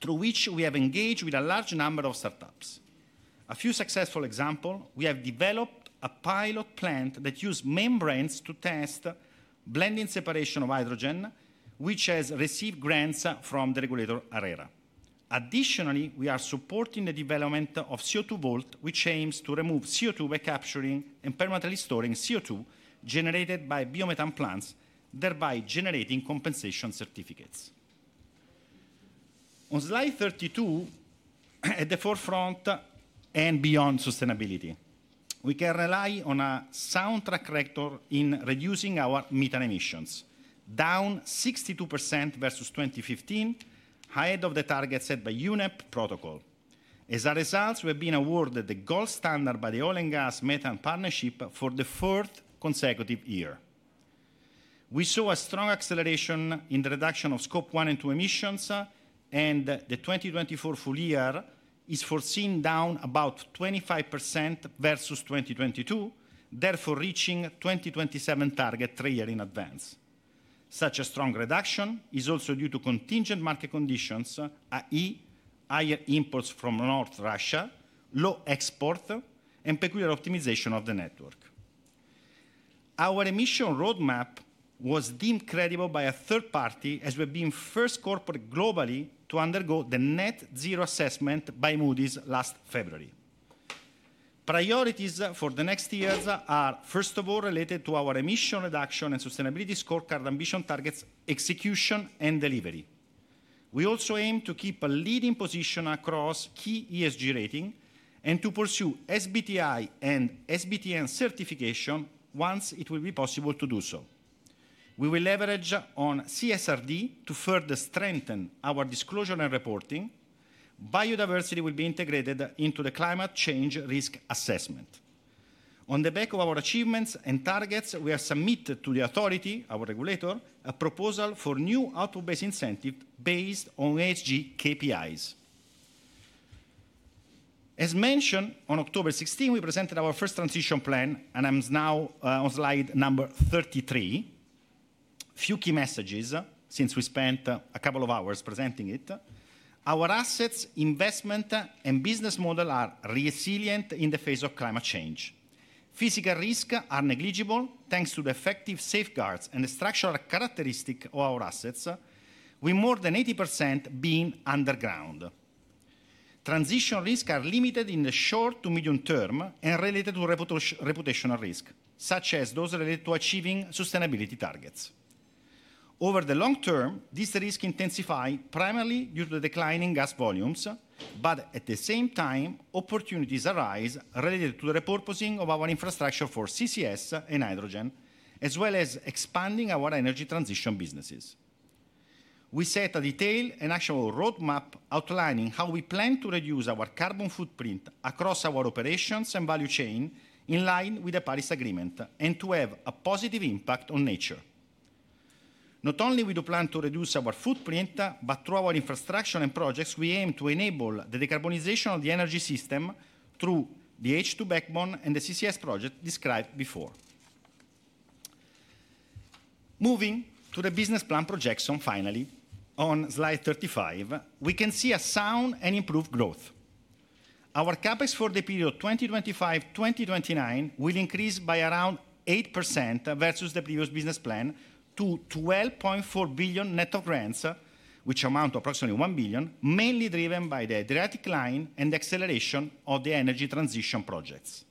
through which we have engaged with a large number of startups. A few successful examples, we have developed a pilot plant that uses membranes to test blending separation of hydrogen, which has received grants from the regulator ARERA. Additionally, we are supporting the development of CO2 Vault, which aims to remove CO2 by capturing and permanently storing CO2 generated by biomethane plants, thereby generating compensation certificates. On Slide 32, at the forefront and beyond sustainability, we can rely on a strong track record in reducing our methane emissions, down 62% versus 2015, ahead of the target set by UNEP protocol. As a result, we have been awarded the gold standard by the Oil and Gas Methane Partnership for the fourth consecutive year. We saw a strong acceleration in the reduction of Scope 1 and 2 emissions, and the 2024 full year is foreseen down about 25% versus 2022, therefore reaching the 2027 target three years in advance. Such a strong reduction is also due to contingent market conditions, i.e., higher imports from northern Russia, low exports, and peculiar optimization of the network. Our emission roadmap was deemed credible by a third party as we've been first corporate globally to undergo the Net Zero Assessment by Moody's last February. Priorities for the next years are, first of all, related to our emission reduction and sustainability scorecard ambition targets, execution, and delivery. We also aim to keep a leading position across key ESG rating and to pursue SBTi and SBTN certification once it will be possible to do so. We will leverage on CSRD to further strengthen our disclosure and reporting. Biodiversity will be integrated into the climate change risk assessment. On the back of our achievements and targets, we have submitted to the authority, our regulator, a proposal for new output-based incentives based on ESG KPIs. As mentioned, on October 16, we presented our first transition plan, and I'm now on slide number 33. A few key messages since we spent a couple of hours presenting it. Our assets, investment, and business model are resilient in the face of climate change. Physical risks are negligible thanks to the effective safeguards and the structural characteristics of our assets, with more than 80% being underground. Transition risks are limited in the short to medium term and related to reputational risk, such as those related to achieving sustainability targets. Over the long term, these risks intensify primarily due to the declining gas volumes, but at the same time, opportunities arise related to the repurposing of our infrastructure for CCS and hydrogen, as well as expanding our energy transition businesses. We set a detailed and actionable roadmap outlining how we plan to reduce our carbon footprint across our operations and value chain in line with the Paris Agreement and to have a positive impact on nature. Not only will we plan to reduce our footprint, but through our infrastructure and projects, we aim to enable the decarbonization of the energy system through the H2 backbone and the CCS project described before. Moving to the business plan projection, finally, on slide 35, we can see a sound and improved growth. Our CapEx for the period 2025-2029 will increase by around 8% versus the previous business plan to 12.4 billion net of grants, which amount to approximately 1 billion, mainly driven by the direct decline and acceleration of the energy transition projects.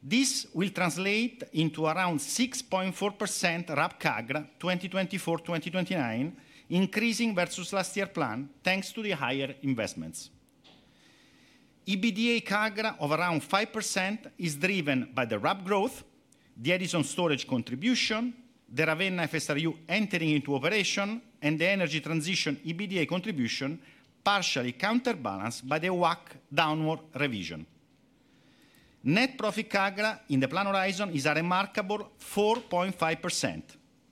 This will translate into around 6.4% RAB CAGR 2024-2029, increasing versus last year's plan thanks to the higher investments. EBITDA CAGR of around 5% is driven by the RAB growth, the additional storage contribution, the Ravenna FSRU entering into operation, and the energy transition EBITDA contribution, partially counterbalanced by the WACC downward revision. Net profit CAGR in the planned horizon is a remarkable 4.5%,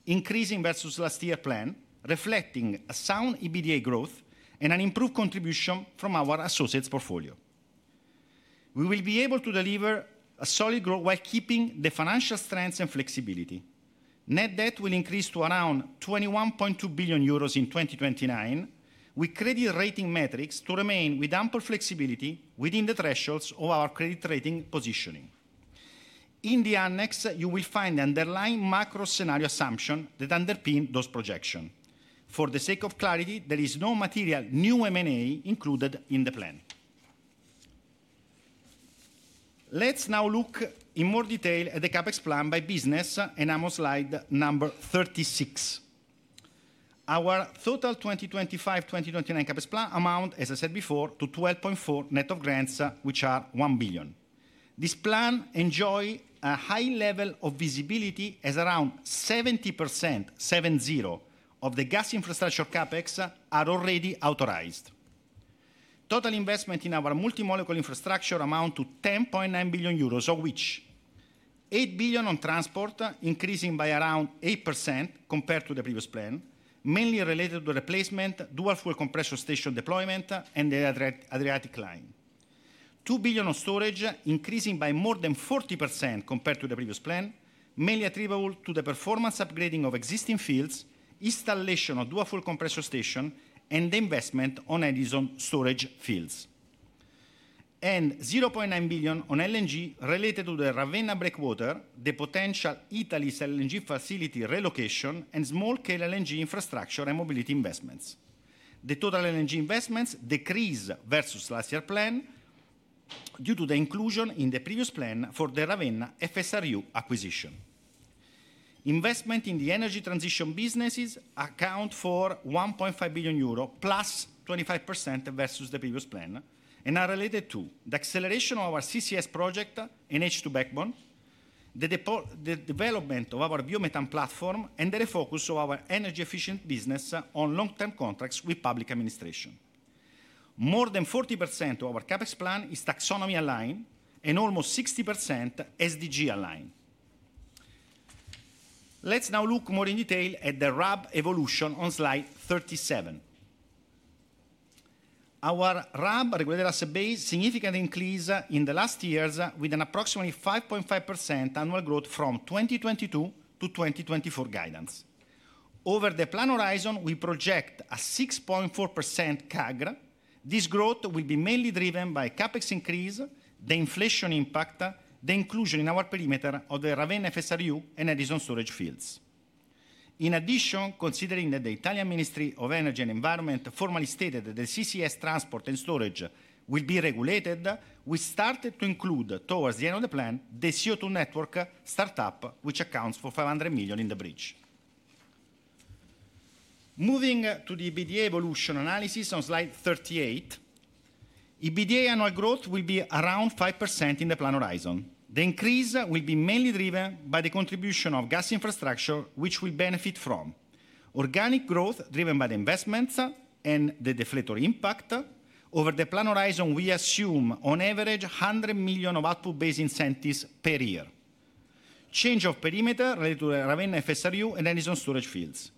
increasing versus last year's plan, reflecting a sound EBITDA growth and an improved contribution from our associates' portfolio. We will be able to deliver a solid growth while keeping the financial strength and flexibility. Net debt will increase to around 21.2 billion euros in 2029, with credit rating metrics to remain with ample flexibility within the thresholds of our credit rating positioning. In the annex, you will find the underlying macro scenario assumption that underpins those projections. For the sake of clarity, there is no material new M&A included in the plan. Let's now look in more detail at the CapEx plan by business, and I'm on slide number 36. Our total 2025-2029 CapEx plan amounts, as I said before, to 12.4 billion net of grants, which are 1 billion. This plan enjoys a high level of visibility as around 70%, seven zero, of the gas infrastructure CapEx are already authorized. Total investment in our multi-molecule infrastructure amounts to 10.9 billion euros, of which 8 billion on transport, increasing by around 8% compared to the previous plan, mainly related to the replacement dual-fuel compressor station deployment and the Adriatic Line. 2 billion on storage, increasing by more than 40% compared to the previous plan, mainly attributable to the performance upgrading of existing fields, installation of dual-fuel compressor stations, and investment on additional storage fields, and 0.9 billion on LNG related to the Ravenna breakwater, the potential Italy's LNG facility relocation, and small-scale LNG infrastructure and mobility investments. The total LNG investments decrease versus last year's plan due to the inclusion in the previous plan for the Ravenna FSRU acquisition. Investment in the energy transition businesses accounts for 1.5 billion euro, plus 25% versus the previous plan, and are related to the acceleration of our CCS project and H2 backbone, the development of our biomethane platform, and the refocus of our energy-efficient business on long-term contracts with public administration. More than 40% of our CapEx plan is taxonomy aligned and almost 60% SDG aligned. Let's now look more in detail at the RAB evolution on slide 37. Our RAB, regulated asset base significantly increased in the last years, with an approximately 5.5% annual growth from 2022 to 2024 guidance. Over the planned horizon, we project a 6.4% CAGR. This growth will be mainly driven by CapEx increase, the inflation impact, the inclusion in our perimeter of the Ravenna FSRU and additional storage fields. In addition, considering that the Italian Ministry of Energy and Environment formally stated that the CCS transport and storage will be regulated, we started to include towards the end of the plan the CO2 network startup, which accounts for 500 million in the bridge. Moving to the EBITDA evolution analysis on slide 38, EBITDA annual growth will be around 5% in the planned horizon. The increase will be mainly driven by the contribution of gas infrastructure, which will benefit from organic growth driven by the investments and the deflator impact. Over the planned horizon, we assume on average 100 million of output-based incentives per year. Change of perimeter related to the Ravenna FSRU and additional storage fields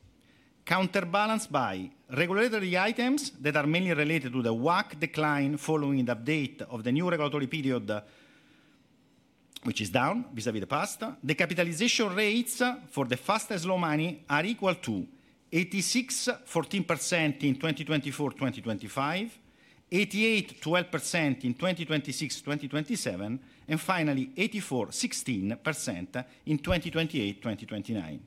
counterbalanced by regulatory items that are mainly related to the WACC decline following the update of the new regulatory period, which is down vis-à-vis the past. The capitalization rates for the fastest loan money are equal to 86.14% in 2024-2025, 88.12% in 2026-2027, and finally 84.16% in 2028-2029.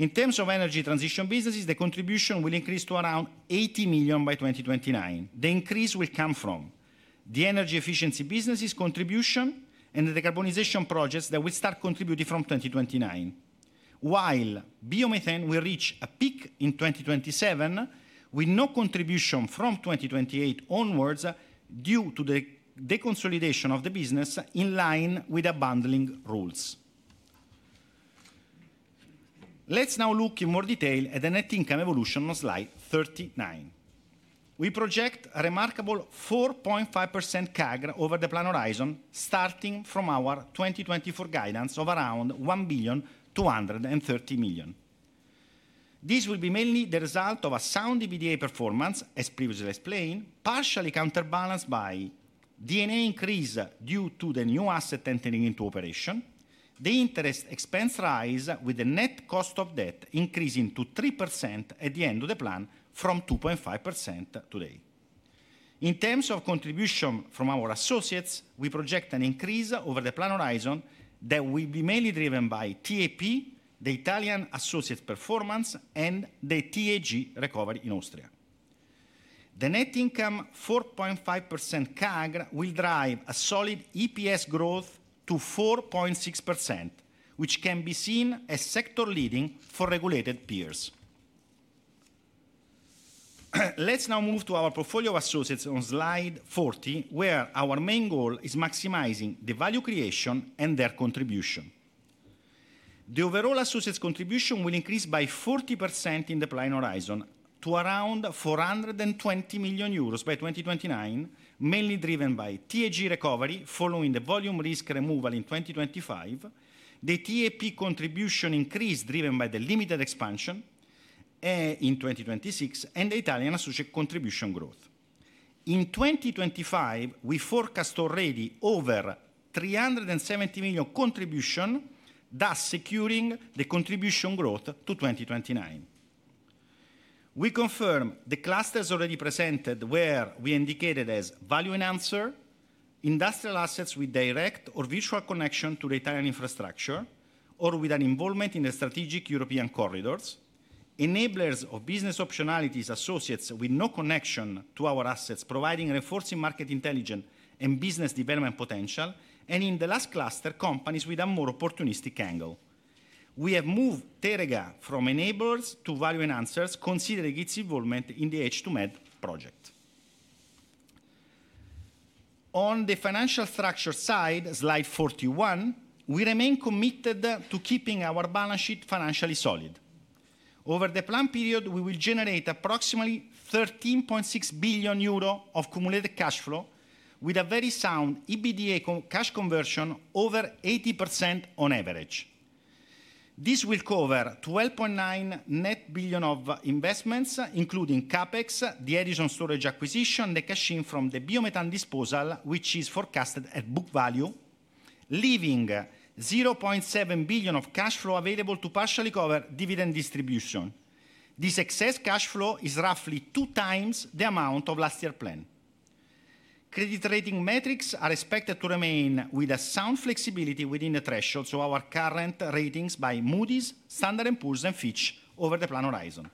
In terms of energy transition businesses, the contribution will increase to around 80 million by 2029. The increase will come from the energy efficiency businesses' contribution and the decarbonization projects that will start contributing from 2029. While biomethane will reach a peak in 2027 with no contribution from 2028 onwards due to the deconsolidation of the business in line with accounting rules. Let's now look in more detail at the net income evolution on slide 39. We project a remarkable 4.5% CAGR over the planned horizon, starting from our 2024 guidance of around 1.23 billion. This will be mainly the result of a sound EBITDA performance, as previously explained, partially counterbalanced by D&A increase due to the new asset entering into operation, the interest expense rise with the net cost of debt increasing to 3% at the end of the plan from 2.5% today. In terms of contribution from our associates, we project an increase over the planned horizon that will be mainly driven by TAP, the Italian associates' performance, and the TAG recovery in Austria. The net income 4.5% CAGR will drive a solid EPS growth to 4.6%, which can be seen as sector-leading for regulated peers. Let's now move to our portfolio of associates on slide 40, where our main goal is maximizing the value creation and their contribution. The overall associates' contribution will increase by 40% in the planned horizon to around 420 million euros by 2029, mainly driven by TAG recovery following the volume risk removal in 2025, the TAP contribution increase driven by the limited expansion in 2026, and the Italian associate contribution growth. In 2025, we forecast already over 370 million contribution, thus securing the contribution growth to 2029. We confirm the clusters already presented where we indicated as value enhancer, industrial assets with direct or virtual connection to the Italian infrastructure, or with an involvement in the strategic European corridors, enablers of business optionalities associates with no connection to our assets providing reinforcing market intelligence and business development potential, and in the last cluster, companies with a more opportunistic angle. We have moved Teréga from enablers to value enhancers, considering its involvement in the H2MED project. On the financial structure side, slide 41, we remain committed to keeping our balance sheet financially solid. Over the planned period, we will generate approximately 13.6 billion euro of cumulative cash flow with a very sound EBITDA cash conversion over 80% on average. This will cover 12.9 net billion of investments, including CAPEX, the additional storage acquisition, the cashing from the biomethane disposal, which is forecasted at book value, leaving 0.7 billion of cash flow available to partially cover dividend distribution. This excess cash flow is roughly two times the amount of last year's plan. Credit rating metrics are expected to remain with a sound flexibility within the thresholds of our current ratings by Moody's, Standard & Poor's, and Fitch over the planned horizon.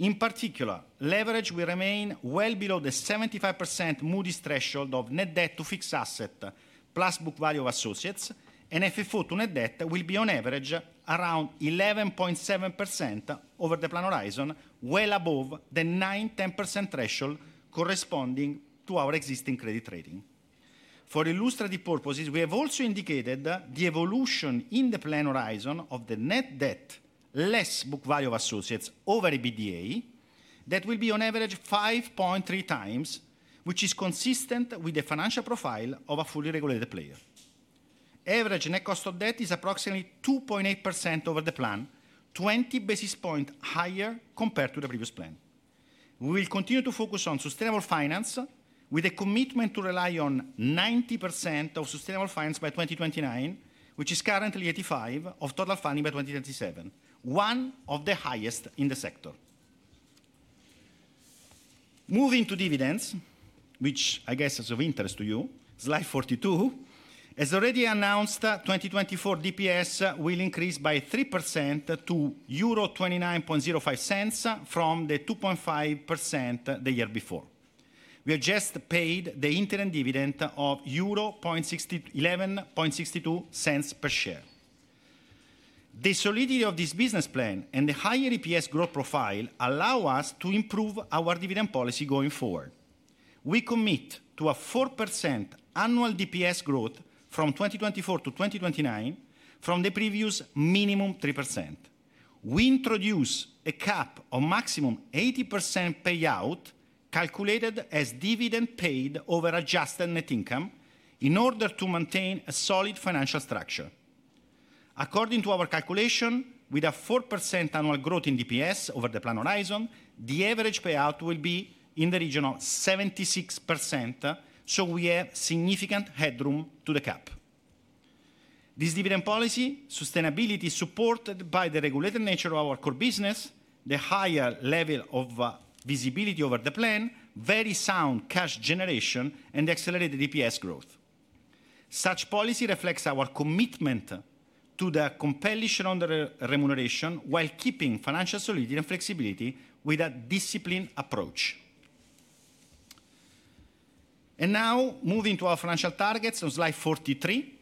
In particular, leverage will remain well below the 75% Moody's threshold of net debt to fixed asset plus book value of associates, and FFO to net debt will be on average around 11.7% over the planned horizon, well above the 9-10% threshold corresponding to our existing credit rating. For illustrative purposes, we have also indicated the evolution in the planned horizon of the net debt less book value of associates over EBITDA that will be on average 5.3 times, which is consistent with the financial profile of a fully regulated player. Average net cost of debt is approximately 2.8% over the plan, 20 basis points higher compared to the previous plan. We will continue to focus on sustainable finance with a commitment to rely on 90% of sustainable finance by 2029, which is currently 85% of total funding by 2027, one of the highest in the sector. Moving to dividends, which I guess is of interest to you, slide 42, as already announced, 2024 DPS will increase by 3% to 0.2905 from the 2.5% the year before. We have just paid the interim dividend of 0.1162 per share. The solidity of this business plan and the higher EPS growth profile allow us to improve our dividend policy going forward. We commit to a 4% annual DPS growth from 2024 to 2029 from the previous minimum 3%. We introduce a cap of maximum 80% payout calculated as dividend paid over adjusted net income in order to maintain a solid financial structure. According to our calculation, with a 4% annual growth in DPS over the planned horizon, the average payout will be in the region of 76%, so we have significant headroom to the cap. This dividend policy, sustainability supported by the regulated nature of our core business, the higher level of visibility over the plan, very sound cash generation, and accelerated DPS growth. Such policy reflects our commitment to the coupling on the remuneration while keeping financial solidity and flexibility with a disciplined approach. And now, moving to our financial targets on slide 43,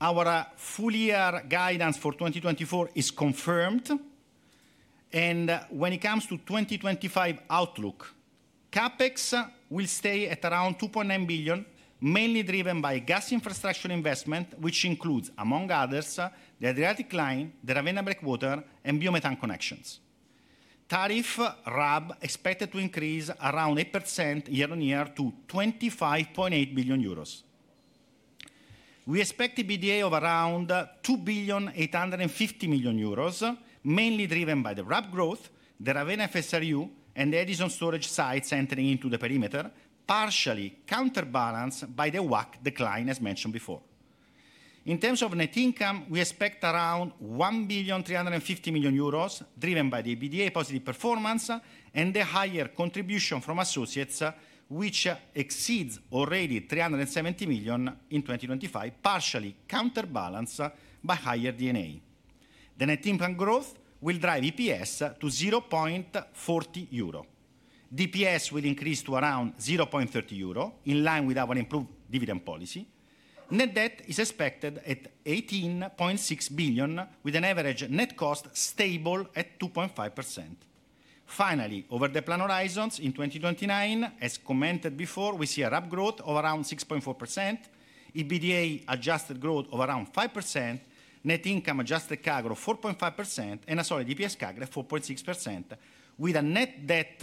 our full-year guidance for 2024 is confirmed. And when it comes to 2025 outlook, CapEx will stay at around 2.9 billion EUR, mainly driven by gas infrastructure investment, which includes, among others, the Adriatic Line, the Ravenna breakwater, and biomethane connections. Tariff RAB expected to increase around 8% year on year to 25.8 billion euros. We expect EBITDA of around 2.85 billion, mainly driven by the RAB growth, the Ravenna FSRU, and the additional storage sites entering into the perimeter, partially counterbalanced by the WACC decline, as mentioned before. In terms of net income, we expect around 1.35 billion, driven by the EBITDA positive performance and the higher contribution from associates, which exceeds already 370 million in 2025, partially counterbalanced by higher D&A. The net income growth will drive EPS to 0.40 euro. DPS will increase to around 0.30 euro, in line with our improved dividend policy. Net debt is expected at 18.6 billion, with an average net cost stable at 2.5%. Finally, over the planned horizons in 2029, as commented before, we see a RAB growth of around 6.4%, EBITDA adjusted growth of around 5%, net income adjusted CAGR of 4.5%, and a solid EPS CAGR of 4.6%, with a net debt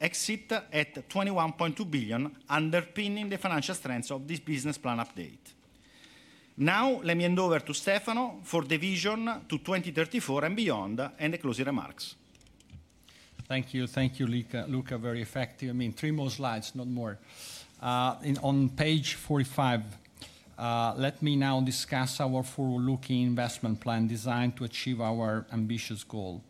exit at 21.2 billion, underpinning the financial strengths of this business plan update. Now, let me hand over to Stefano for the vision to 2034 and beyond and the closing remarks.
Thank you. Thank you, Luca. Luca, very effective. I mean, three more slides, not more. On page 45, let me now discuss our forward-looking investment plan designed to achieve our ambitious goal.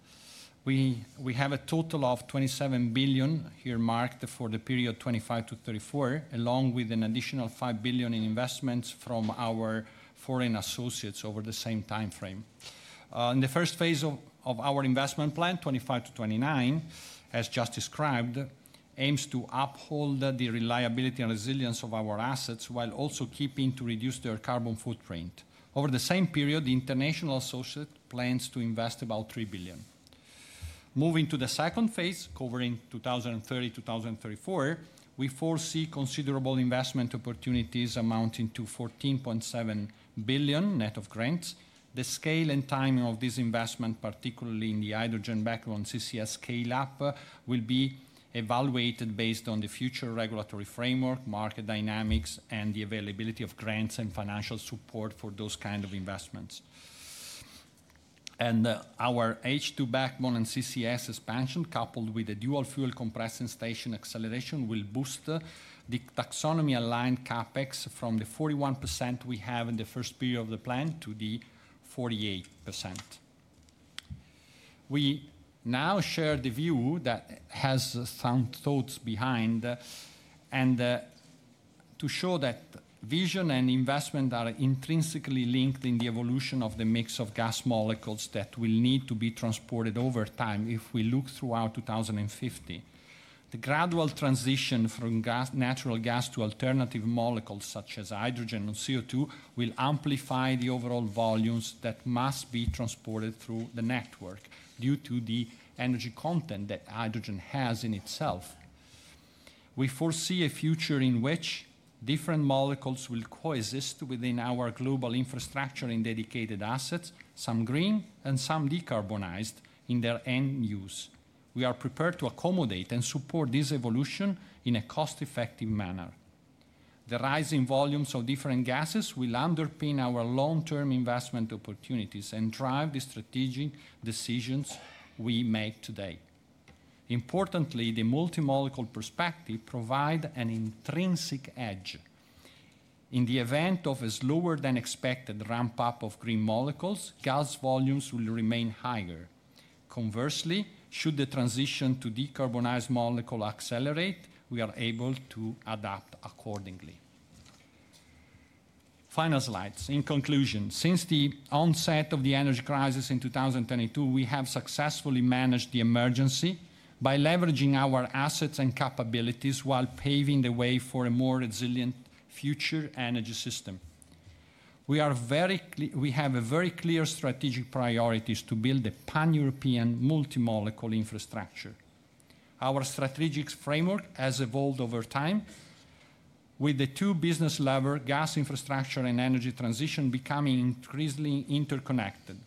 We have a total of 27 billion here marked for the period 25 to 34, along with an additional 5 billion in investments from our foreign associates over the same timeframe. In the first phase of our investment plan, 2025-2029, as just described, aims to uphold the reliability and resilience of our assets while also keeping to reduce their carbon footprint. Over the same period, the international associate plans to invest about 3 billion. Moving to the second phase, covering 2030-2034, we foresee considerable investment opportunities amounting to 14.7 billion net of grants. The scale and timing of this investment, particularly in the hydrogen backbone CCS scale-up, will be evaluated based on the future regulatory framework, market dynamics, and the availability of grants and financial support for those kinds of investments. And our H2 backbone and CCS expansion, coupled with the dual fuel compression station acceleration, will boost the taxonomy-aligned CAPEX from the 41% we have in the first period of the plan to the 48%. We now share the view that has some thoughts behind, and to show that vision and investment are intrinsically linked in the evolution of the mix of gas molecules that will need to be transported over time if we look throughout 2050. The gradual transition from natural gas to alternative molecules such as hydrogen and CO2 will amplify the overall volumes that must be transported through the network due to the energy content that hydrogen has in itself. We foresee a future in which different molecules will coexist within our global infrastructure in dedicated assets, some green and some decarbonized, in their end use. We are prepared to accommodate and support this evolution in a cost-effective manner. The rising volumes of different gases will underpin our long-term investment opportunities and drive the strategic decisions we make today. Importantly, the multi-molecule perspective provides an intrinsic edge. In the event of a slower-than-expected ramp-up of green molecules, gas volumes will remain higher. Conversely, should the transition to decarbonized molecules accelerate, we are able to adapt accordingly. Final slides. In conclusion, since the onset of the energy crisis in 2022, we have successfully managed the emergency by leveraging our assets and capabilities while paving the way for a more resilient future energy system. We have very clear strategic priorities to build a pan-European multi-molecule infrastructure. Our strategic framework has evolved over time, with the two business levers, gas infrastructure and energy transition, becoming increasingly interconnected.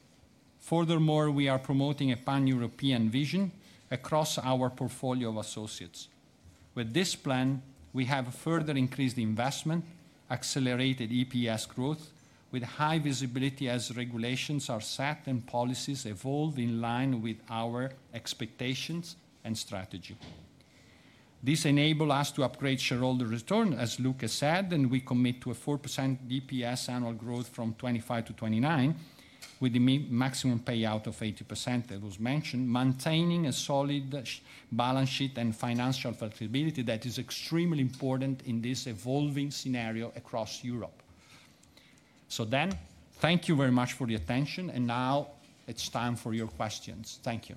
Furthermore, we are promoting a pan-European vision across our portfolio of associates. With this plan, we have further increased investment, accelerated EPS growth, with high visibility as regulations are set and policies evolve in line with our expectations and strategy. This enables us to upgrade shareholder return, as Luca said, and we commit to a 4% DPS annual growth from 2025 to 2029, with the maximum payout of 80% that was mentioned, maintaining a solid balance sheet and financial flexibility that is extremely important in this evolving scenario across Europe. So then, thank you very much for your attention, and now it's time for your questions. Thank you.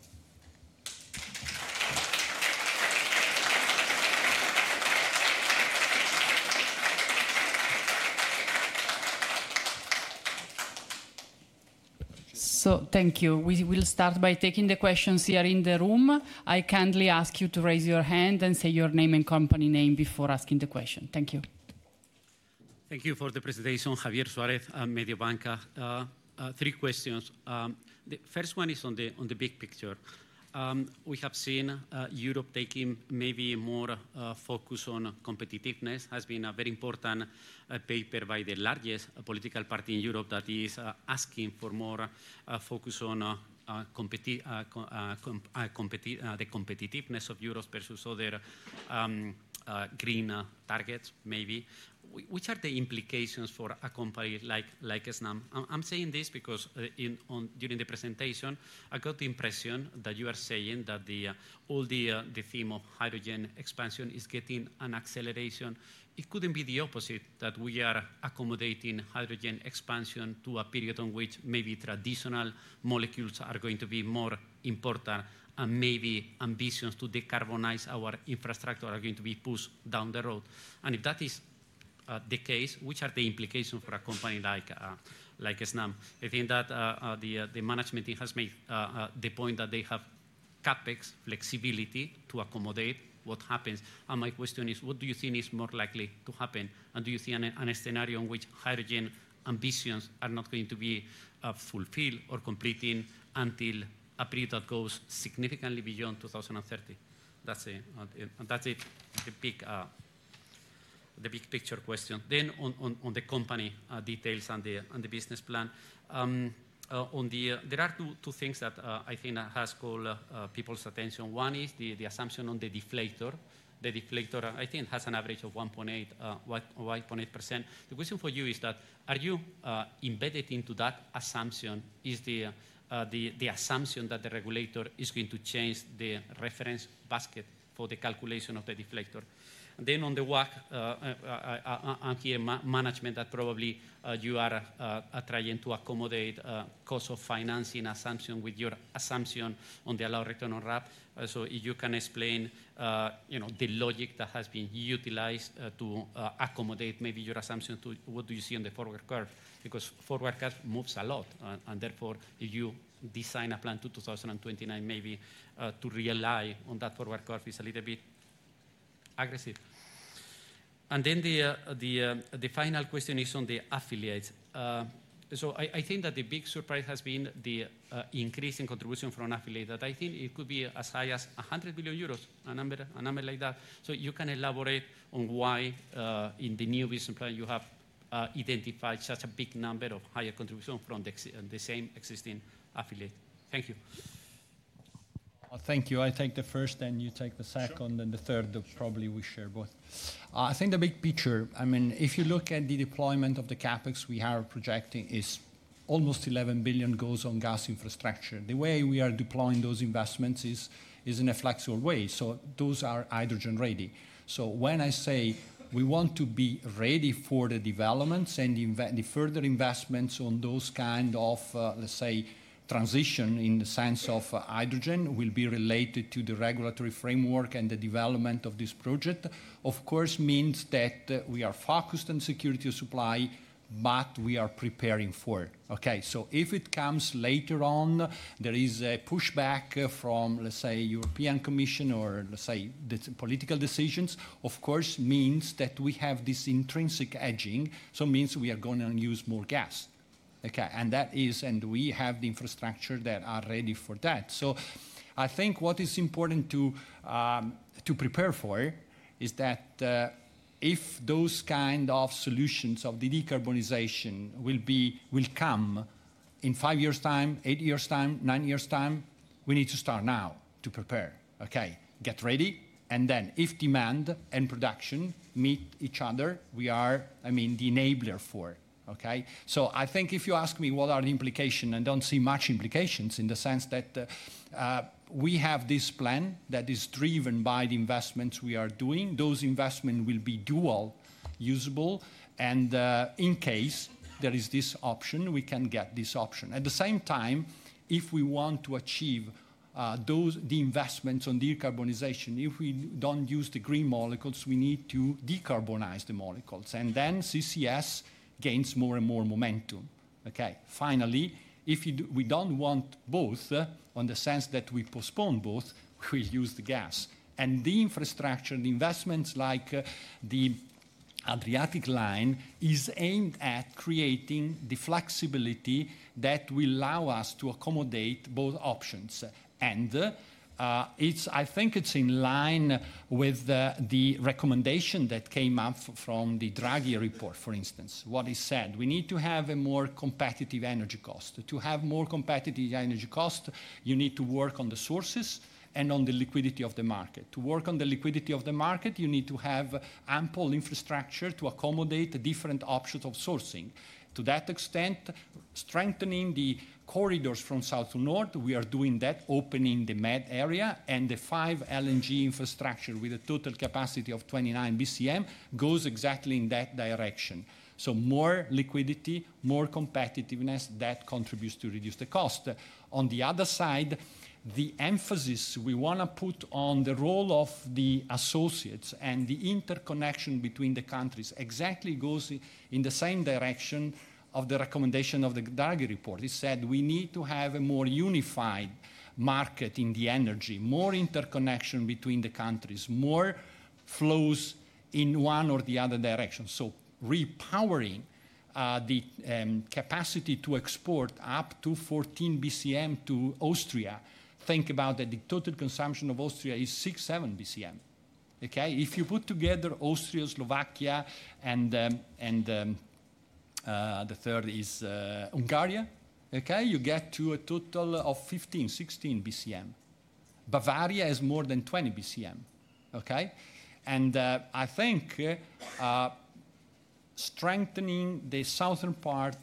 So, thank you. We will start by taking the questions here in the room. I kindly ask you to raise your hand and say your name and company name before asking the question. Thank you.
Thank you for the presentation, Javier Suárez, Mediobanca. Three questions. The first one is on the big picture. We have seen Europe taking maybe more focus on competitiveness. It has been a very important paper by the largest political party in Europe that is asking for more focus on the competitiveness of Europe versus other green targets, maybe. Which are the implications for a company like Snam? I'm saying this because during the presentation, I got the impression that you are saying that all the theme of hydrogen expansion is getting an acceleration. It couldn't be the opposite, that we are accommodating hydrogen expansion to a period on which maybe traditional molecules are going to be more important, and maybe ambitions to decarbonize our infrastructure are going to be pushed down the road, and if that is the case, which are the implications for a company like Snam? I think that the management team has made the point that they have CapEx flexibility to accommodate what happens. My question is, what do you think is more likely to happen? Do you see a scenario in which hydrogen ambitions are not going to be fulfilled or completed until a period that goes significantly beyond 2030? That's it, the big picture question. On the company details and the business plan, there are two things that I think have caught people's attention. One is the assumption on the deflator. The deflator, I think, has an average of 1.8%. The question for you is that, are you embedded into that assumption? Is the assumption that the regulator is going to change the reference basket for the calculation of the deflator? On the WACC and management, that probably you are trying to accommodate the cost of financing assumption with your assumption on the allowed return on WACC. So if you can explain the logic that has been utilized to accommodate maybe your assumption to what do you see on the forward curve? Because forward curve moves a lot, and therefore, if you design a plan to 2029, maybe to rely on that forward curve is a little bit aggressive. And then the final question is on the affiliates. So I think that the big surprise has been the increase in contribution from affiliates. I think it could be as high as 100 million euros, a number like that. So you can elaborate on why in the new business plan you have identified such a big number of higher contribution from the same existing affiliate. Thank you.
Thank you. I take the first, then you take the second, and the third, probably we share both. I think the big picture, I mean, if you look at the deployment of the CapEx we are projecting, it's almost 11 billion goes on gas infrastructure. The way we are deploying those investments is in a flexible way. So those are hydrogen-ready. So when I say we want to be ready for the developments, and the further investments on those kinds of, let's say, transition in the sense of hydrogen will be related to the regulatory framework and the development of this project, of course, means that we are focused on security of supply, but we are preparing for it. Okay? So if it comes later on, there is a pushback from, let's say, the European Commission or, let's say, the political decisions, of course, means that we have this intrinsic hedging. So it means we are going to use more gas. Okay? That is, and we have the infrastructure that are ready for that. So I think what is important to prepare for is that if those kinds of solutions of the decarbonization will come in five years' time, eight years' time, nine years' time, we need to start now to prepare. Okay? Get ready. And then if demand and production meet each other, we are, I mean, the enabler for it. Okay? So I think if you ask me what are the implications, I don't see much implications in the sense that we have this plan that is driven by the investments we are doing. Those investments will be dual usable. And in case there is this option, we can get this option. At the same time, if we want to achieve the investments on decarbonization, if we don't use the green molecules, we need to decarbonize the molecules. And then CCS gains more and more momentum. Okay? Finally, if we don't want both, in the sense that we postpone both, we use the gas. And the infrastructure, the investments like the Adriatic Line, are aimed at creating the flexibility that will allow us to accommodate both options. And I think it's in line with the recommendation that came up from the Draghi Report, for instance, what he said. We need to have a more competitive energy cost. To have more competitive energy cost, you need to work on the sources and on the liquidity of the market. To work on the liquidity of the market, you need to have ample infrastructure to accommodate different options of sourcing. To that extent, strengthening the corridors from south to north, we are doing that, opening the MED area. and the five LNG infrastructure with a total capacity of 29 BCM goes exactly in that direction. So more liquidity, more competitiveness, that contributes to reduce the cost. On the other side, the emphasis we want to put on the role of the associates and the interconnection between the countries exactly goes in the same direction of the recommendation of the Draghi report. It said we need to have a more unified market in the energy, more interconnection between the countries, more flows in one or the other direction. So repowering the capacity to export up to 14 BCM to Austria. Think about that the total consumption of Austria is 67 BCM. Okay? If you put together Austria, Slovakia, and the third is Hungary, okay, you get to a total of 15, 16 BCM. Bavaria has more than 20 BCM. Okay? I think strengthening the southern part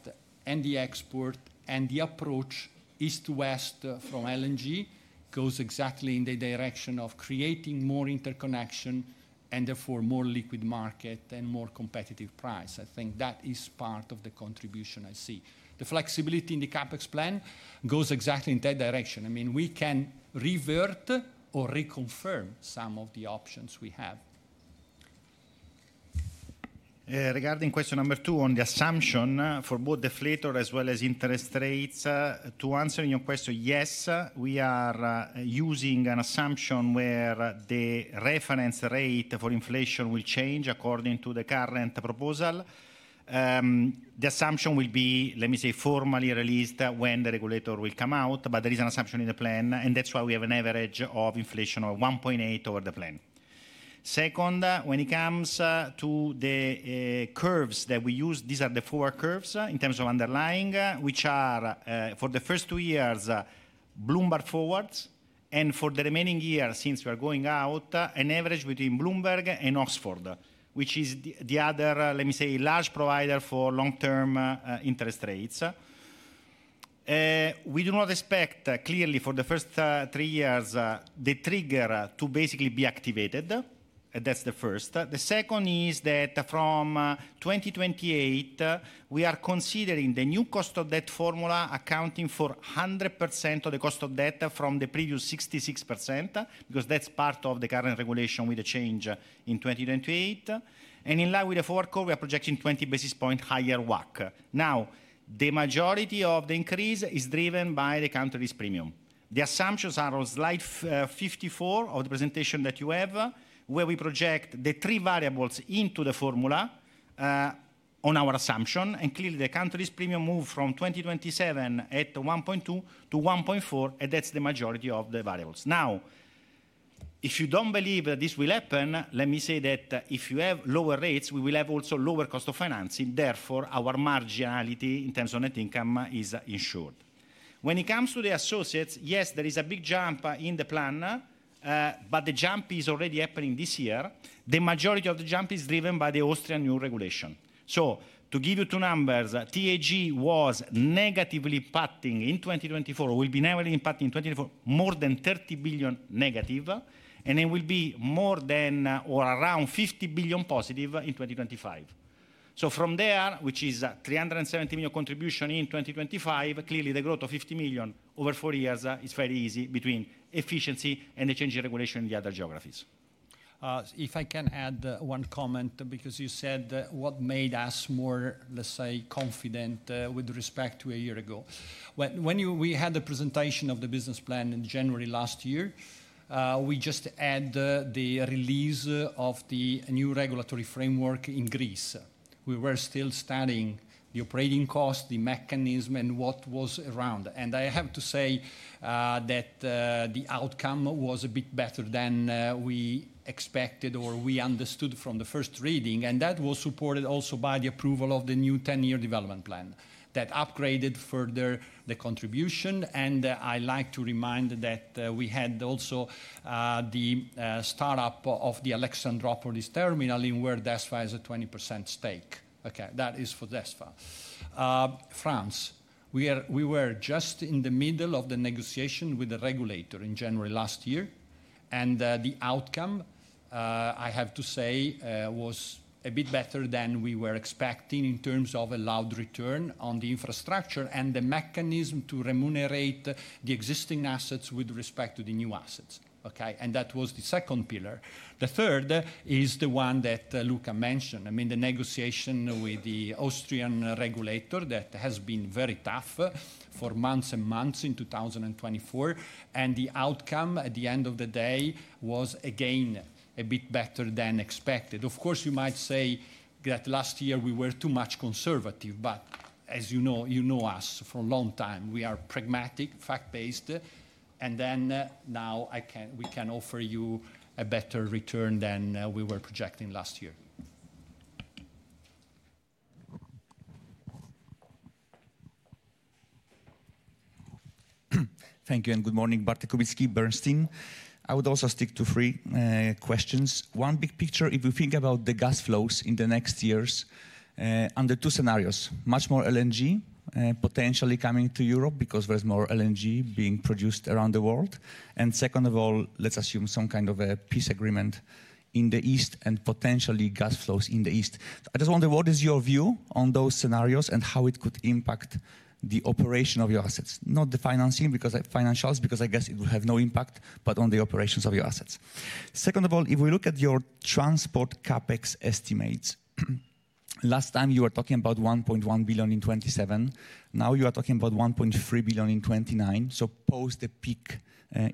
and the export and the approach east to west from LNG goes exactly in the direction of creating more interconnection and therefore more liquid market and more competitive price. I think that is part of the contribution I see. The flexibility in the CapEx plan goes exactly in that direction. I mean, we can revert or reconfirm some of the options we have. Regarding question number two on the assumption for both deflator as well as interest rates, to answer your question, yes, we are using an assumption where the reference rate for inflation will change according to the current proposal. The assumption will be, let me say, formally released when the regulator will come out, but there is an assumption in the plan, and that's why we have an average of inflation of 1.8% over the plan. Second, when it comes to the curves that we use, these are the four curves in terms of underlying, which are for the first two years, Bloomberg Forwards, and for the remaining year since we are going out, an average between Bloomberg and Oxford, which is the other, let me say, large provider for long-term interest rates. We do not expect clearly for the first three years the trigger to basically be activated. That's the first. The second is that from 2028, we are considering the new cost of debt formula accounting for 100% of the cost of debt from the previous 66%, because that's part of the current regulation with the change in 2028, and in line with the fourth core, we are projecting 20 basis points higher WACC. Now, the majority of the increase is driven by the country's premium. The assumptions are on slide 54 of the presentation that you have, where we project the three variables into the formula on our assumption, and clearly the country's premium moved from 2027 at 1.2 to 1.4, and that's the majority of the variables. Now, if you don't believe that this will happen, let me say that if you have lower rates, we will have also lower cost of financing. Therefore, our marginality in terms of net income is ensured. When it comes to the associates, yes, there is a big jump in the plan, but the jump is already happening this year. The majority of the jump is driven by the Austrian new regulation. So to give you two numbers, TAG was negatively impacting in 2024, will be negatively impacting in 2024, more than 30 billion negative, and it will be more than or around 50 billion positive in 2025. From there, which is 370 million contribution in 2025, clearly the growth of 50 million over four years is very easy between efficiency and the changing regulation in the other geographies.
If I can add one comment, because you said what made us more, let's say, confident with respect to a year ago. When we had the presentation of the business plan in January last year, we just had the release of the new regulatory framework in Greece. We were still studying the operating cost, the mechanism, and what was around. And I have to say that the outcome was a bit better than we expected or we understood from the first reading, and that was supported also by the approval of the new 10-year development plan that upgraded further the contribution. I like to remind that we had also the startup of the Alexandroupolis terminal in where DESFA has a 20% stake. Okay? That is for DESFA. France, we were just in the middle of the negotiation with the regulator in January last year, and the outcome, I have to say, was a bit better than we were expecting in terms of an allowed return on the infrastructure and the mechanism to remunerate the existing assets with respect to the new assets. Okay? And that was the second pillar. The third is the one that Luca mentioned. I mean, the negotiation with the Austrian regulator that has been very tough for months and months in 2024, and the outcome at the end of the day was again a bit better than expected. Of course, you might say that last year we were too much conservative, but as you know, you know us for a long time, we are pragmatic, fact-based, and then now we can offer you a better return than we were projecting last year.
Thank you and good morning, Bartłomiej Kubicki, Bernstein. I would also stick to three questions. One big picture, if we think about the gas flows in the next years, under two scenarios, much more LNG potentially coming to Europe because there's more LNG being produced around the world. And second of all, let's assume some kind of a peace agreement in the east and potentially gas flows in the east.
I just wonder what is your view on those scenarios and how it could impact the operation of your assets, not the financing because financials, because I guess it will have no impact, but on the operations of your assets. Second of all, if we look at your transport CapEx estimates, last time you were talking about 1.1 billion in 2027. Now you are talking about 1.3 billion in 2029, so post the peak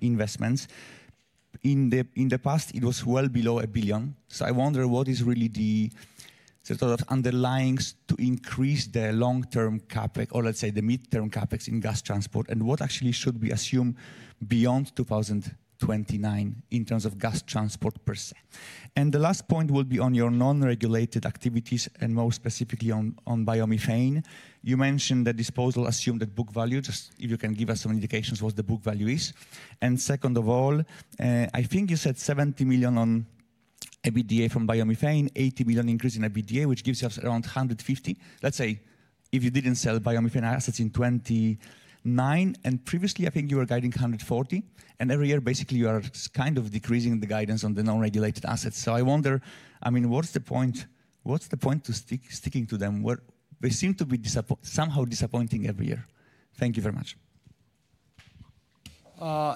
investments. In the past, it was well below a billion. So I wonder what is really the sort of underlyings to increase the long-term CapEx or let's say the mid-term CapEx in gas transport and what actually should we assume beyond 2029 in terms of gas transport per se. And the last point will be on your non-regulated activities and more specifically on biomethane. You mentioned the disposal assumed at book value. Just, if you can give us some indications what the book value is. And second of all, I think you said 70 million on an EBITDA from biomethane, 80 million increase in an EBITDA, which gives us around 150 million. Let's say if you didn't sell biomethane assets in 2029, and previously I think you were guiding 140 million, and every year basically you are kind of decreasing the guidance on the non-regulated assets. So I wonder, I mean, what's the point to sticking to them? They seem to be somehow disappointing every year. Thank you very much.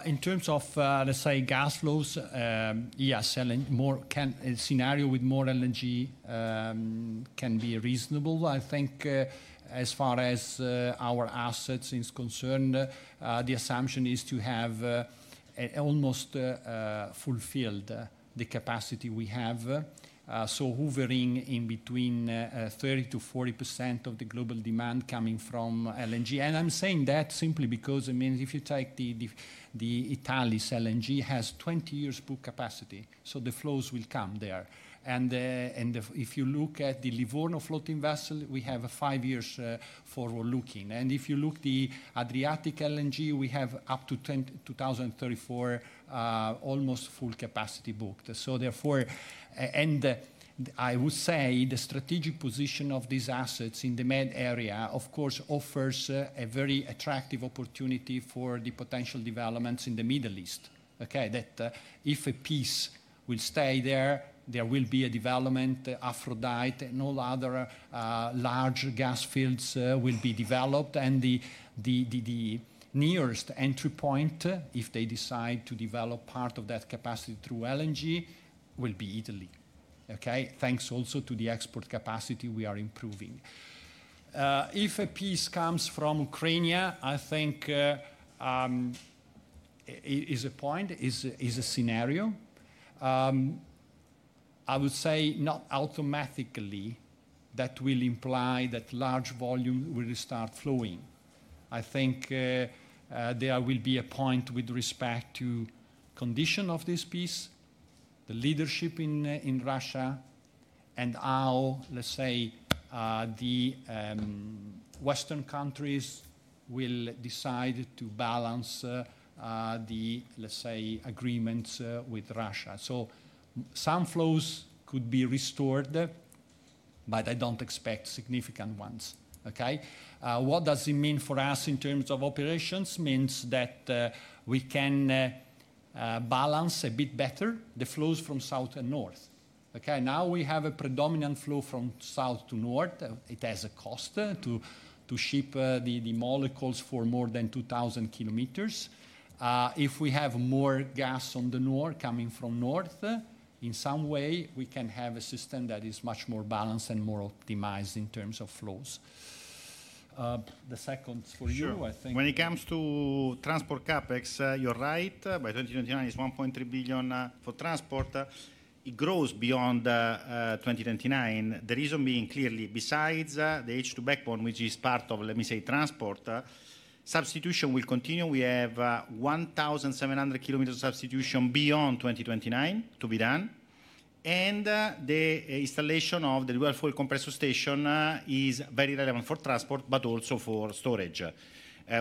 In terms of, let's say, gas flows, yes, scenario with more LNG can be reasonable. I think as far as our assets are concerned, the assumption is to have almost fulfilled the capacity we have. So hovering in between 30%-40% of the global demand coming from LNG. I'm saying that simply because, I mean, if you take Italy's LNG, it has 20 years booked capacity, so the flows will come there. If you look at the Livorno floating vessel, we have a five years forward looking. If you look at the Adriatic LNG, we have up to 2034 almost full capacity booked. So therefore, I would say the strategic position of these assets in the MED area, of course, offers a very attractive opportunity for the potential developments in the Middle East. Okay? That if peace will stay there, there will be a development, Aphrodite, and all other large gas fields will be developed. The nearest entry point, if they decide to develop part of that capacity through LNG, will be Italy. Okay? Thanks also to the export capacity we are improving. If peace comes from Ukraine, I think it is a point, is a scenario. I would say not automatically that will imply that large volume will start flowing. I think there will be a point with respect to the condition of this peace, the leadership in Russia, and how, let's say, the Western countries will decide to balance the, let's say, agreements with Russia. So some flows could be restored, but I don't expect significant ones. Okay? What does it mean for us in terms of operations? It means that we can balance a bit better the flows from south and north. Okay? Now we have a predominant flow from south to north. It has a cost to ship the molecules for more than 2,000 kilometers. If we have more gas on the north coming from north, in some way, we can have a system that is much more balanced and more optimized in terms of flows. The second for you, I think.
When it comes to transport CapEx, you're right. By 2029, it's 1.3 billion for transport. It grows beyond 2029. The reason being clearly besides the H2 backbone, which is part of, let me say, transport, substitution will continue. We have 1,700 kilometers of substitution beyond 2029 to be done. And the installation of the dual-fuel compressor station is very relevant for transport, but also for storage.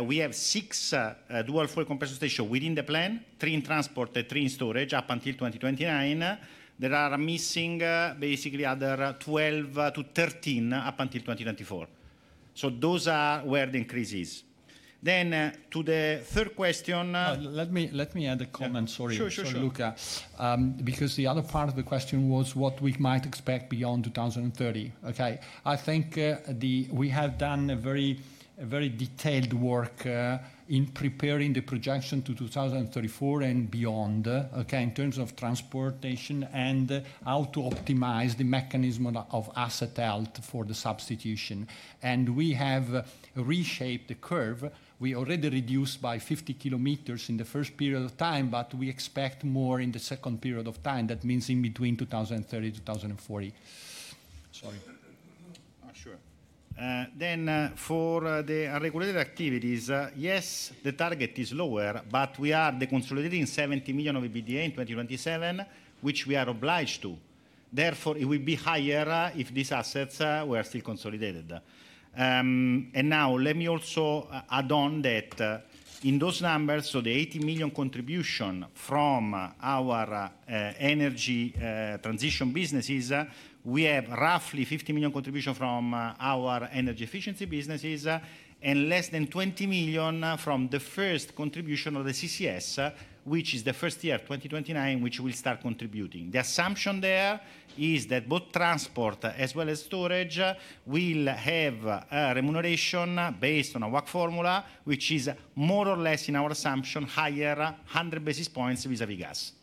We have six dual-fuel compressor stations within the plan, three in transport and three in storage up until 2029. There are missing basically other 12 to 13 up until 2024. So those are where the increase is. Then to the third question.
Let me add a comment, sorry, Luca, because the other part of the question was what we might expect beyond 2030. Okay? I think we have done a very detailed work in preparing the projection to 2034 and beyond, okay, in terms of transportation and how to optimize the mechanism of asset health for the substitution, and we have reshaped the curve. We already reduced by 50 km in the first period of time, but we expect more in the second period of time. That means in between 2030 and 2040. Sorry. Sure.Then for the unregulated activities, yes, the target is lower, but we are consolidating 70 million of EBITDA in 2027, which we are obliged to. Therefore, it will be higher if these assets were still consolidated. And now let me also add on that in those numbers, so the 80 million contribution from our energy transition businesses, we have roughly 50 million contribution from our energy efficiency businesses and less than 20 million from the first contribution of the CCS, which is the first year, 2029, which we'll start contributing. The assumption there is that both transport as well as storage will have a remuneration based on a WACC formula, which is more or less in our assumption higher 100 basis points vis-à-vis gas.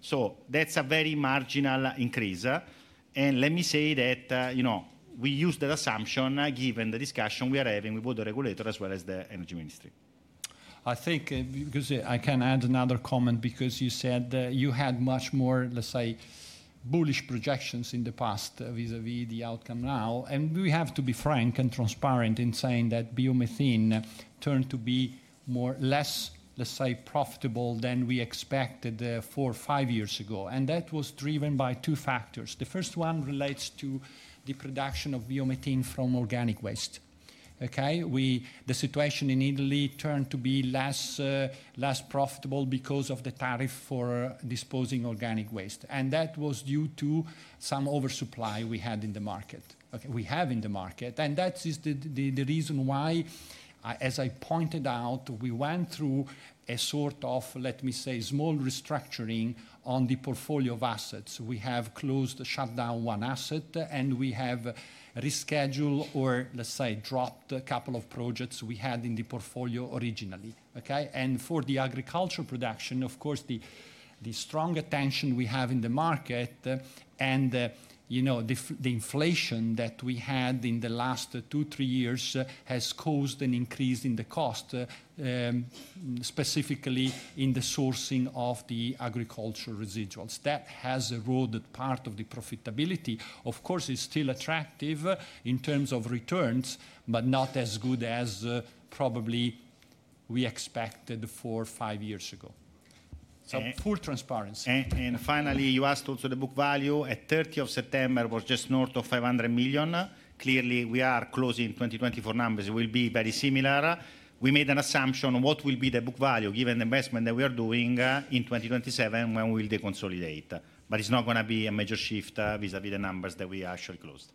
So that's a very marginal increase. And let me say that we use that assumption given the discussion we are having with both the regulator as well as the energy ministry. I think because you said you had much more, let's say, bullish projections in the past vis-à-vis the outcome now. We have to be frank and transparent in saying that biomethane turned to be less, let's say, profitable than we expected four or five years ago. That was driven by two factors. The first one relates to the production of biomethane from organic waste. Okay? The situation in Italy turned to be less profitable because of the tariff for disposing organic waste. That was due to some oversupply we had in the market. Okay? We have in the market. That is the reason why, as I pointed out, we went through a sort of, let me say, small restructuring on the portfolio of assets. We have closed, shut down one asset, and we have rescheduled or, let's say, dropped a couple of projects we had in the portfolio originally. Okay? For the agriculture production, of course, the strong attention we have in the market and the inflation that we had in the last two, three years has caused an increase in the cost, specifically in the sourcing of the agricultural residuals. That has eroded part of the profitability. Of course, it's still attractive in terms of returns, but not as good as probably we expected four or five years ago. Full transparency. Finally, you asked also the book value. At September 30, it was just north of 500 million. Clearly, we are closing 2024 numbers. It will be very similar. We made an assumption of what will be the book value given the investment that we are doing in 2027 when we will de-consolidate. But it's not going to be a major shift vis-à-vis the numbers that we actually closed.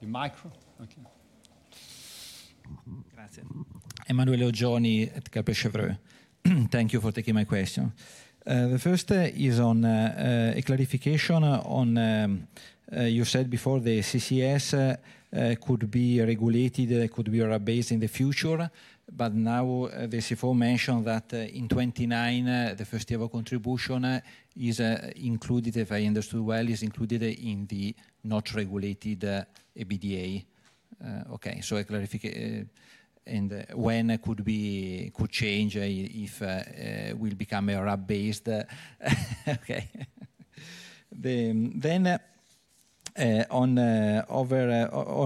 The micro. Okay.
Emanuele Oggioni at Kepler Cheuvreux. Thank you for taking my question. The first is on a clarification on, you said before, the CCS could be regulated, could be raised in the future. But now the CFO mentioned that in 2029, the first-ever contribution is included, if I understood well, is included in the non-regulated EBITDA. Okay. So a clarification and when it could change if it will become a RAB-based. Okay. Then overall,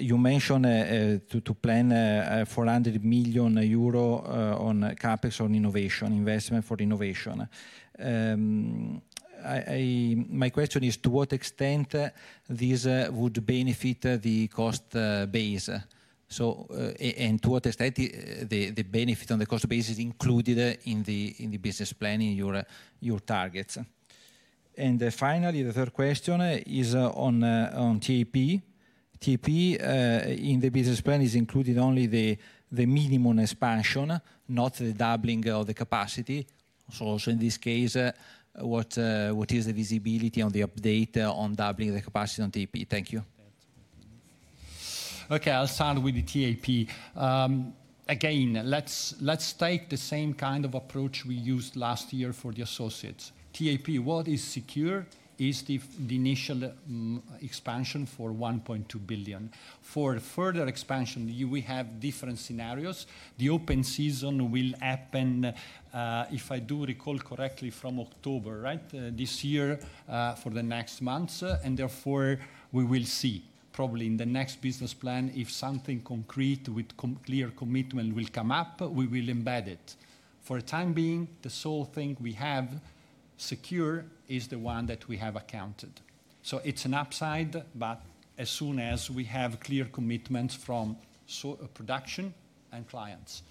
you mentioned to plan EUR 400 million on capex on innovation, investment for innovation. My question is to what extent this would benefit the cost base. And to what extent the benefit on the cost base is included in the business plan in your target. And finally, the third question is on TAP. TAP in the business plan is included only the minimum expansion, not the doubling of the capacity. So in this case, what is the visibility on the update on doubling the capacity on TAP? Thank you.
Okay. I'll start with the TAP. Again, let's take the same kind of approach we used last year for the associates. TAP, what is secure is the initial expansion for 1.2 billion. For further expansion, we have different scenarios. The open season will happen, if I do recall correctly, from October, right? This year for the next months. And therefore, we will see probably in the next business plan if something concrete with clear commitment will come up, we will embed it. For the time being, the sole thing we have secure is the one that we have accounted. So it's an upside, but as soon as we have clear commitments from production and clients.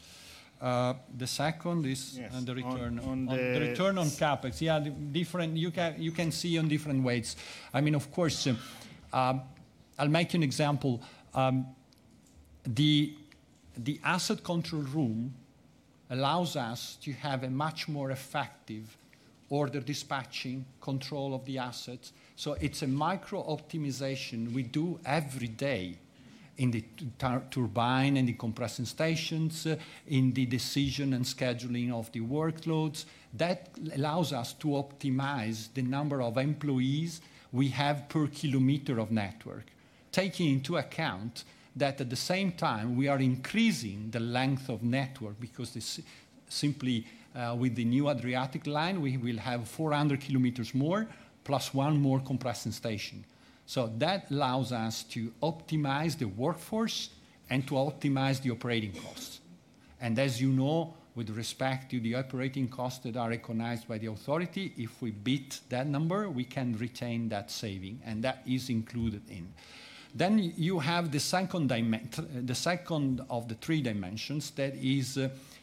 The second is the return on CapEx. Yeah, you can see on different ways. I mean, of course, I'll make you an example. The asset control room allows us to have a much more effective order dispatching control of the assets. So it's a micro-optimization we do every day in the turbine and the compression stations, in the decision and scheduling of the workloads. That allows us to optimize the number of employees we have per kilometer of network, taking into account that at the same time, we are increasing the length of network because simply with the new Adriatic Line, we will have 400 kilometers more plus one more compression station. So that allows us to optimize the workforce and to optimize the operating costs. And as you know, with respect to the operating costs that are recognized by the authority, if we beat that number, we can retain that saving. And that is included in. Then you have the second of the three dimensions that is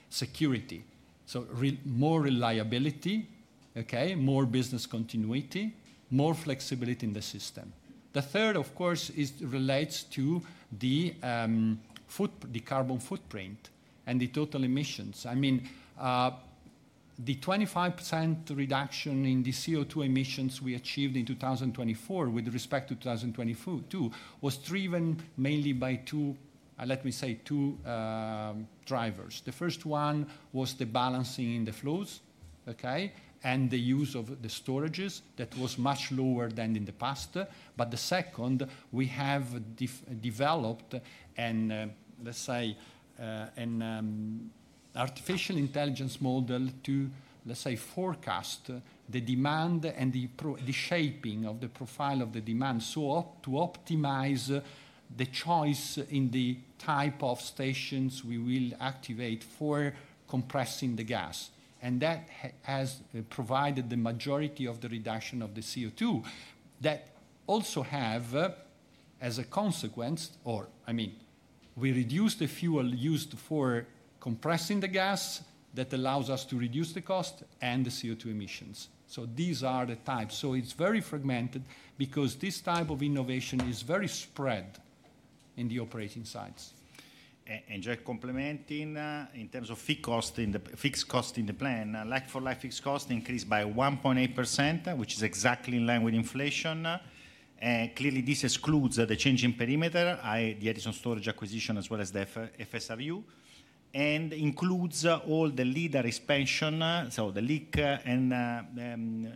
security. So more reliability, okay, more business continuity, more flexibility in the system. The third, of course, relates to the carbon footprint and the total emissions. I mean, the 25% reduction in the CO2 emissions we achieved in 2024 with respect to 2022 was driven mainly by two, let me say, two drivers. The first one was the balancing in the flows, okay, and the use of the storages that was much lower than in the past. But the second, we have developed an, let's say, an artificial intelligence model to, let's say, forecast the demand and the shaping of the profile of the demand to optimize the choice in the type of stations we will activate for compressing the gas. That has provided the majority of the reduction of the CO2 that also has as a consequence, or I mean, we reduce the fuel used for compressing the gas that allows us to reduce the cost and the CO2 emissions. These are the types. It's very fragmented because this type of innovation is very spread in the operating sites.
Just complementing in terms of fixed cost in the plan, like-for-like fixed cost increased by 1.8%, which is exactly in line with inflation. Clearly, this excludes the changing perimeter, the additional storage acquisition as well as the FSRU, and includes all the LDAR expansion, so the leak and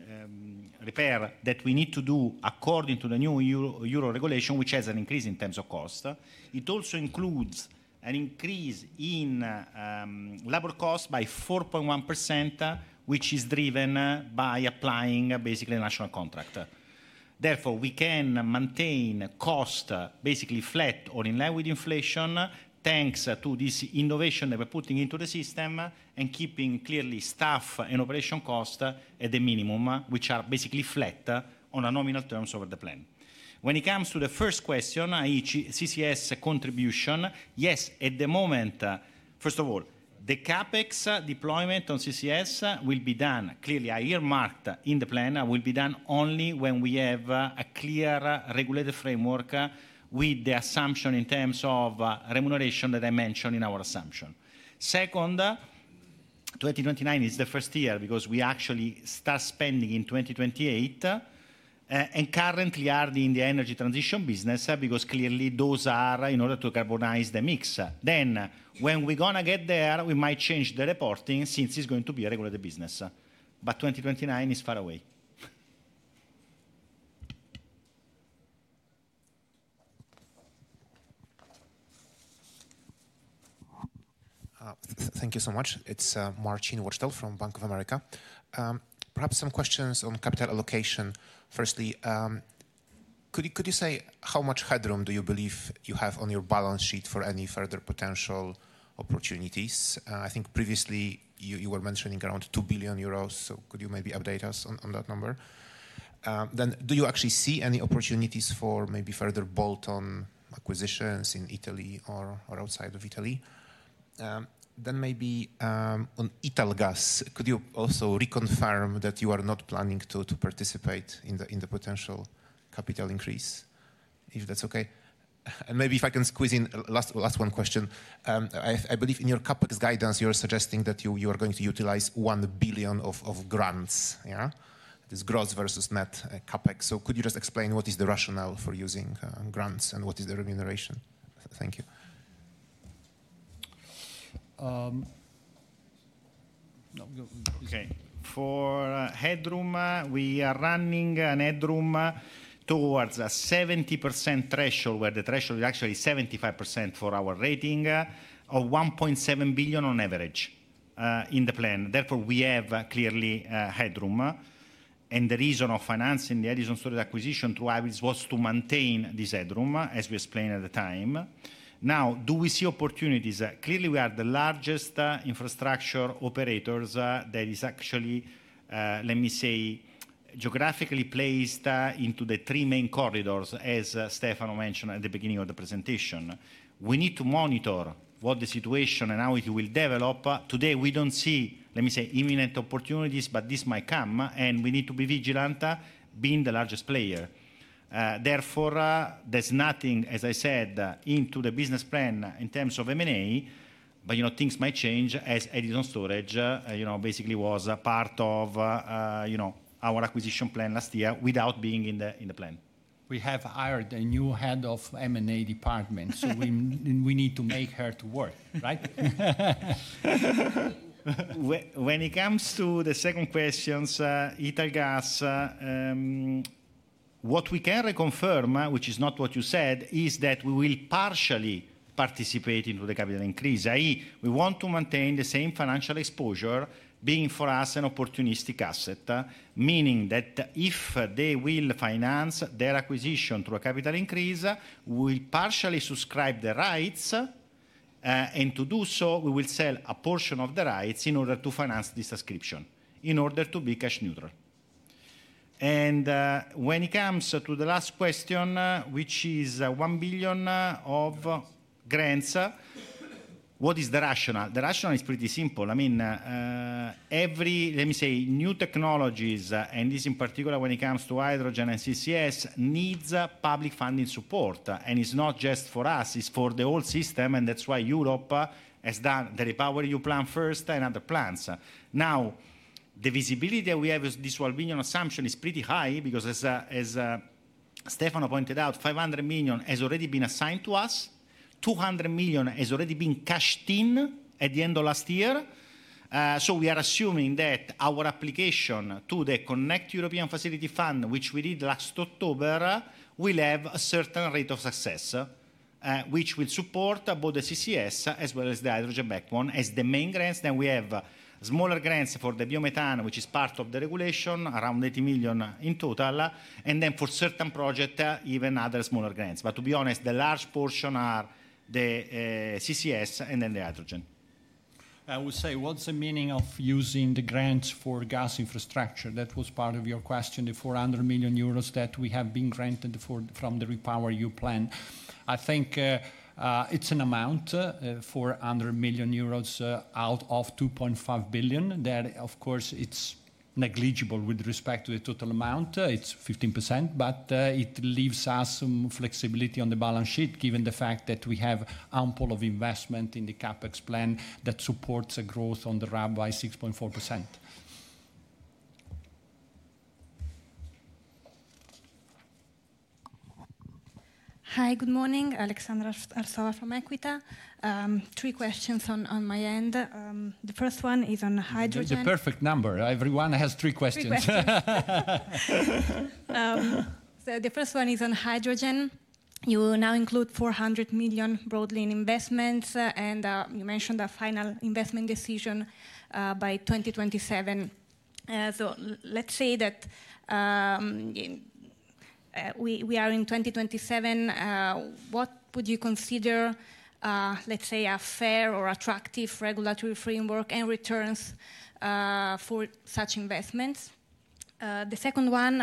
repair that we need to do according to the new Euro regulation, which has an increase in terms of cost. It also includes an increase in labor cost by 4.1%, which is driven by applying basically a national contract. Therefore, we can maintain cost basically flat or in line with inflation thanks to this innovation that we're putting into the system and keeping clearly staff and operation cost at the minimum, which are basically flat on the nominal terms of the plan. When it comes to the first question, CCS contribution, yes, at the moment, first of all, the CapEx deployment on CCS will be done. Clearly, earmarked in the plan will be done only when we have a clear regulated framework with the assumption in terms of remuneration that I mentioned in our assumption. Second, 2029 is the first year because we actually start spending in 2028 and currently are in the energy transition business because clearly those are in order to carbonize the mix. Then when we're going to get there, we might change the reporting since it's going to be a regulated business. But 2029 is far away.
Thank you so much. It's Marcin Wojtal from Bank of America. Perhaps some questions on capital allocation. Firstly, could you say how much headroom do you believe you have on your balance sheet for any further potential opportunities? I think previously you were mentioning around 2 billion euros. So could you maybe update us on that number? Then do you actually see any opportunities for maybe further bolt-on acquisitions in Italy or outside of Italy? Then maybe on Italgas, could you also reconfirm that you are not planning to participate in the potential capital increase, if that's okay? And maybe if I can squeeze in last one question. I believe in your CapEx guidance, you're suggesting that you are going to utilize 1 billion of grants, yeah? This gross versus net CapEx. So could you just explain what is the rationale for using grants and what is the remuneration? Thank you.
Okay. For headroom, we are running a headroom towards a 70% threshold where the threshold is actually 75% for our rating of 1.7 billion on average in the plan. Therefore, we have clearly headroom. And the reason of financing the additional storage acquisition through hybrids was to maintain this headroom, as we explained at the time. Now, do we see opportunities? Clearly, we are the largest infrastructure operators that is actually, let me say, geographically placed into the three main corridors, as Stefano mentioned at the beginning of the presentation. We need to monitor what the situation and how it will develop. Today, we don't see, let me say, imminent opportunities, but this might come, and we need to be vigilant being the largest player. Therefore, there's nothing, as I said, into the business plan in terms of M&A, but things might change as additional storage basically was part of our acquisition plan last year without being in the plan. We have hired a new head of M&A department, so we need to make her to work, right? When it comes to the second question, Italgas, what we can reconfirm, which is not what you said, is that we will partially participate into the capital increase. I.e., we want to maintain the same financial exposure being for us an opportunistic asset, meaning that if they will finance their acquisition through a capital increase, we partially subscribe the rights, and to do so, we will sell a portion of the rights in order to finance this subscription in order to be cash neutral. And when it comes to the last question, which is 1 billion of grants, what is the rationale? The rationale is pretty simple. I mean, every, let me say, new technologies, and this in particular when it comes to hydrogen and CCS, needs public funding support. And it's not just for us, it's for the whole system. And that's why Europe has done the REPowerEU plan first and other plans. Now, the visibility that we have with this 1 billion assumption is pretty high because, as Stefano pointed out, 500 million has already been assigned to us. 200 million has already been cashed in at the end of last year. We are assuming that our application to the Connecting Europe Facility, which we did last October, will have a certain rate of success, which will support both the CCS as well as the hydrogen backbone as the main grants. We have smaller grants for the biomethane, which is part of the regulation, around 80 million in total. For certain projects, even other smaller grants. To be honest, the large portion are the CCS and then the hydrogen.
I will say, what's the meaning of using the grants for gas infrastructure? That was part of your question, the 400 million euros that we have been granted from the REPowerEU plan. I think it's an amount, 400 million euros out of 2.5 billion. There, of course, it's negligible with respect to the total amount. It's 15%, but it leaves us some flexibility on the balance sheet given the fact that we have ample of investment in the CapEx plan that supports a growth on the RAB by 6.4%.
Hi, good morning. Aleksandra Arsova from Equita. Three questions on my end. The first one is on hydrogen.
It's a perfect number. Everyone has three questions.
So the first one is on hydrogen. You now include 400 million broadly in investments, and you mentioned a final investment decision by 2027. So let's say that we are in 2027. What would you consider, let's say, a fair or attractive regulatory framework and returns for such investments? The second one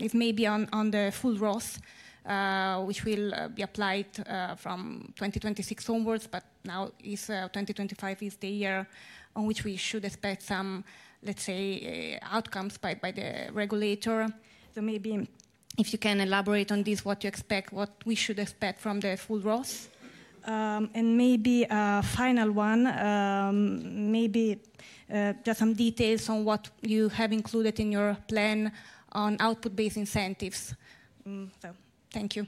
is maybe on the full ROSS, which will be applied from 2026 onwards, but now 2025 is the year on which we should expect some, let's say, outcomes by the regulator. Maybe if you can elaborate on this, what you expect, what we should expect from the full ROSS. And maybe a final one, maybe just some details on what you have included in your plan on output-based incentives. Thank you.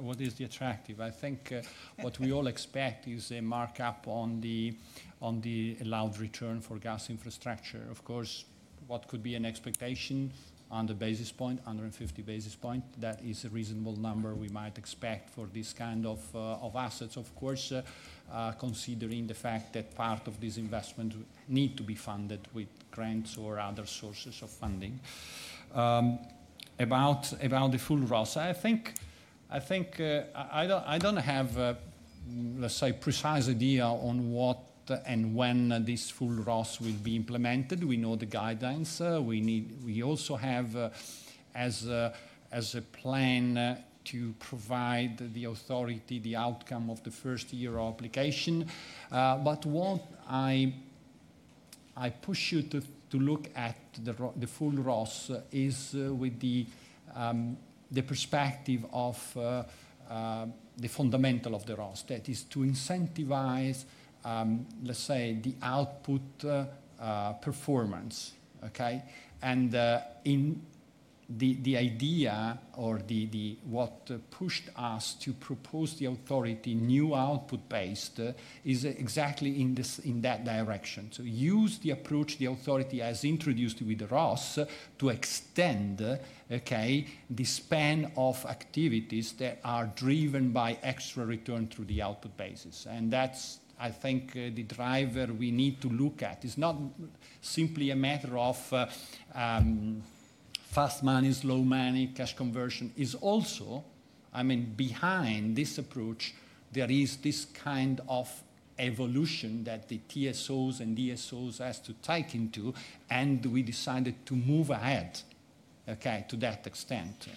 What is attractive? I think what we all expect is a markup on the allowed return for gas infrastructure. Of course, what could be an expectation on the basis points, 150 basis points, that is a reasonable number we might expect for this kind of assets, of course, considering the fact that part of these investments need to be funded with grants or other sources of funding. About the full ROSS, I think I don't have, let's say, a precise idea on what and when this full ROSS will be implemented. We know the guidelines. We also have as a plan to provide the authority the outcome of the first year of application, but what I push you to look at the full ROSS is with the perspective of the fundamental of the ROSS, that is to incentivize, let's say, the output performance, okay. The idea or what pushed us to propose the authority new output-based is exactly in that direction, so use the approach the authority has introduced with the ROSS to extend, okay, the span of activities that are driven by extra return through the output basis, and that's, I think, the driver we need to look at. It's not simply a matter of fast money, slow money, cash conversion. It's also, I mean, behind this approach, there is this kind of evolution that the TSOs and DSOs have to take into, and we decided to move ahead, okay, to that extent.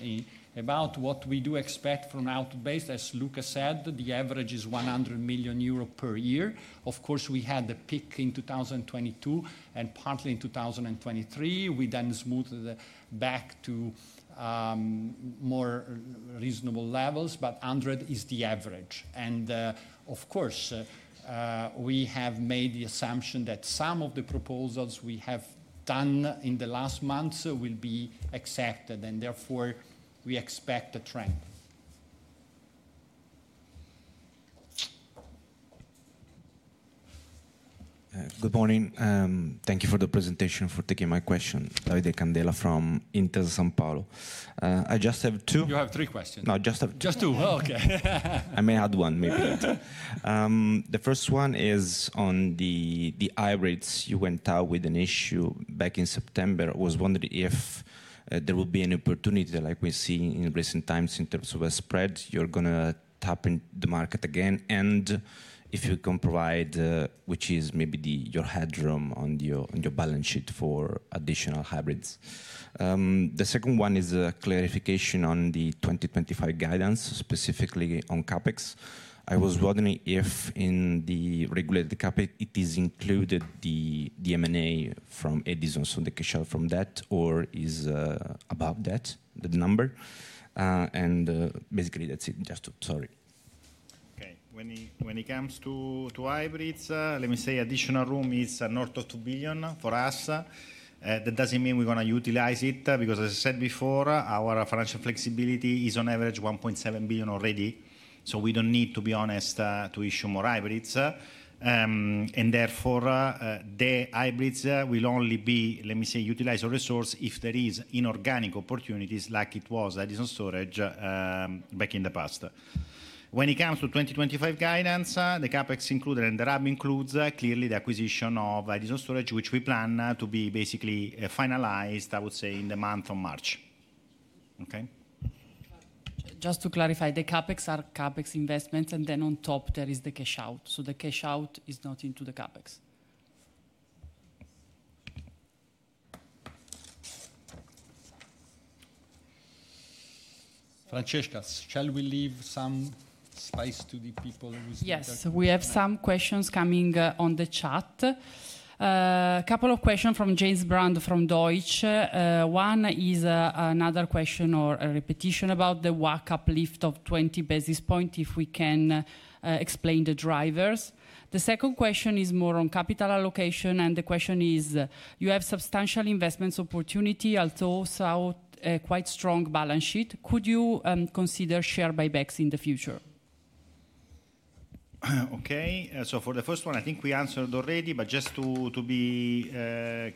About what we do expect from output-based, as Luca said, the average is 100 million euro per year. Of course, we had the peak in 2022 and partly in 2023. We then smoothed back to more reasonable levels, but 100 million is the average. Of course, we have made the assumption that some of the proposals we have done in the last months will be accepted. Therefore, we expect a trend.
Good morning. Thank you for the presentation for taking my question, Davide Candela from Intesa Sanpaolo. I just have two.
You have three questions.
No, just two.
Just two. Okay.
I may add one maybe. The first one is on the hybrids. You went out with an issue back in September. I was wondering if there would be an opportunity like we see in recent times in terms of a spread, you're going to tap into the market again and if you can provide, which is maybe your headroom on your balance sheet for additional hybrids. The second one is a clarification on the 2025 guidance, specifically on CapEx. I was wondering if in the regulated CapEx, it is included the M&A from Edison, so the cash out from that, or is above that, the number? And basically, that's it. Just sorry.
Okay. When it comes to hybrids, let me say additional room is north of 2 billion for us. That doesn't mean we're going to utilize it because, as I said before, our financial flexibility is on average 1.7 billion already. So we don't need, to be honest, to issue more hybrids. And therefore, the hybrids will only be, let me say, utilized or resourced if there are inorganic opportunities like it was Edison Stoccaggio back in the past. When it comes to 2025 guidance, the CapEx included and the RAB includes clearly the acquisition of Edison Stoccaggio, which we plan to be basically finalized, I would say, in the month of March. Okay?
Just to clarify, the CapEx are CapEx investments, and then on top, there is the cash out. So the cash out is not into the CapEx.
Francesca, shall we leave some space to the people with questions?
Yes, we have some questions coming on the chat. A couple of questions from James Brand from Deutsche Bank. One is another question or a repetition about the walk-up lift of 20 basis points if we can explain the drivers. The second question is more on capital allocation, and the question is, you have substantial investment opportunity, also quite strong balance sheet. Could you consider share buybacks in the future?
Okay. So for the first one, I think we answered already, but just to be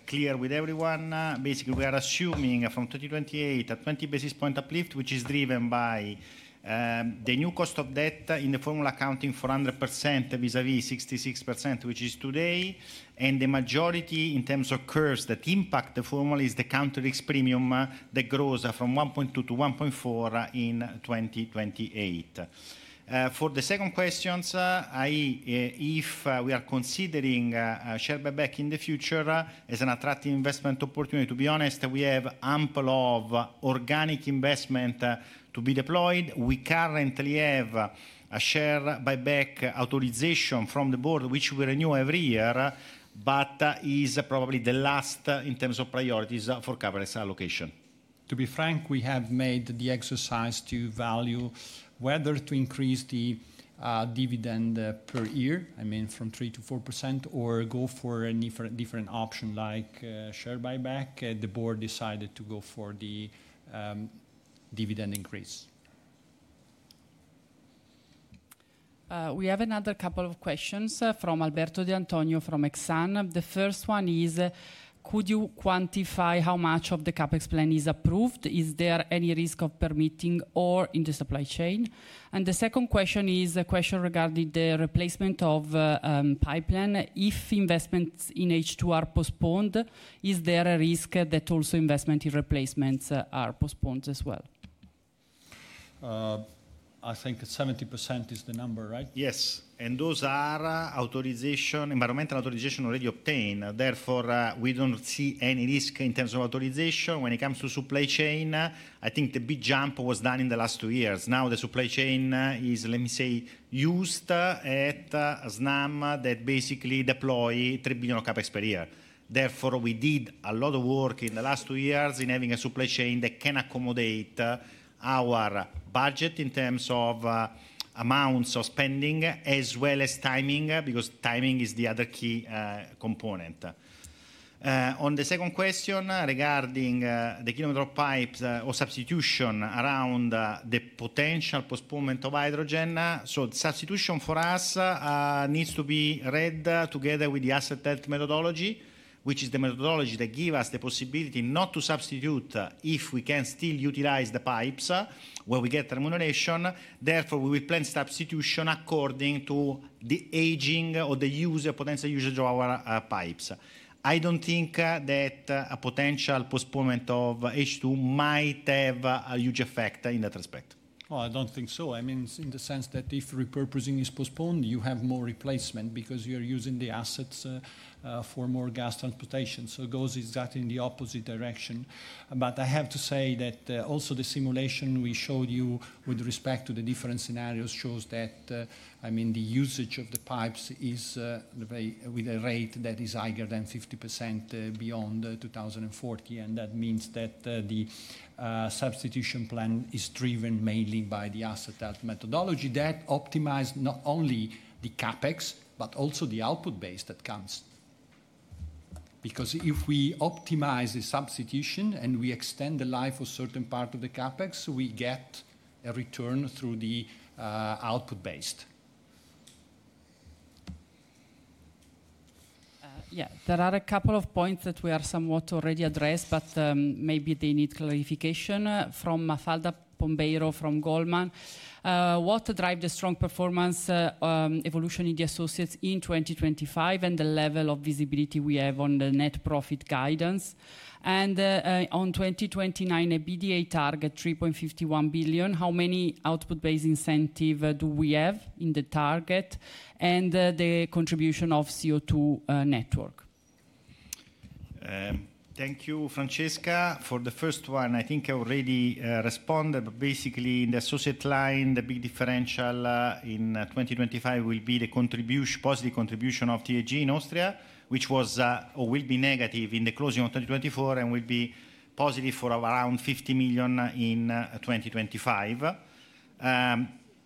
clear with everyone, basically, we are assuming from 2028 a 20 basis points uplift, which is driven by the new cost of debt in the formula accounting for 100% vis-à-vis 66%, which is today. And the majority in terms of curves that impact the formula is the country risk premium that grows from 1.2 to 1.4 in 2028. For the second question, i.e., if we are considering share buyback in the future as an attractive investment opportunity, to be honest, we have ample of organic investment to be deployed. We currently have a share buyback authorization from the board, which we renew every year, but is probably the last in terms of priorities for coverage allocation.
To be frank, we have made the exercise to value whether to increase the dividend per year, I mean, from 3% to 4%, or go for a different option like share buyback. The board decided to go for the dividend increase.
We have another couple of questions from Alberto de Antonio from Exane. The first one is, could you quantify how much of the CapEx plan is approved? Is there any risk of permitting or in the supply chain? And the second question is a question regarding the replacement of pipeline. If investments in H2 are postponed, is there a risk that also investments in replacements are postponed as well?
I think 70% is the number, right?
Yes.
Those are environmental authorizations already obtained. Therefore, we don't see any risk in terms of authorization. When it comes to supply chain, I think the big jump was done in the last two years. Now the supply chain is, let me say, used at a Snam that basically deploys 3 billion CapEx per year. Therefore, we did a lot of work in the last two years in having a supply chain that can accommodate our budget in terms of amounts of spending as well as timing because timing is the other key component. On the second question regarding the kilometer pipes or substitution around the potential postponement of hydrogen, so substitution for us needs to be read together with the Asset Health Methodology, which is the methodology that gives us the possibility not to substitute if we can still utilize the pipes where we get termination. Therefore, we will plan substitution according to the aging or the potential usage of our pipes. I don't think that a potential postponement of H2 might have a huge effect in that respect. Oh, I don't think so. I mean, in the sense that if repurposing is postponed, you have more replacement because you're using the assets for more gas transportation. So it goes exactly in the opposite direction. But I have to say that also the simulation we showed you with respect to the different scenarios shows that, I mean, the usage of the pipes is with a rate that is higher than 50% beyond 2040. And that means that the substitution plan is driven mainly by the Asset Health Methodology that optimizes not only the CapEx, but also the output-based incentives that come. Because if we optimize the substitution and we extend the life of a certain part of the CapEx, we get a return through the output-based.
Yeah, there are a couple of points that we have somewhat already addressed, but maybe they need clarification from Mafalda Pombeiro from Goldman. What drives the strong performance evolution in the associates in 2025 and the level of visibility we have on the net profit guidance? And on 2029, an EBITDA target, 3.51 billion. How many output-based incentives do we have in the target and the contribution of CO2 network?
Thank you, Francesca. For the first one, I think I already responded, but basically, in the associate line, the big differential in 2025 will be the positive contribution of TAG in Austria, which was or will be negative in the closing of 2024 and will be positive for around 50 million in 2025.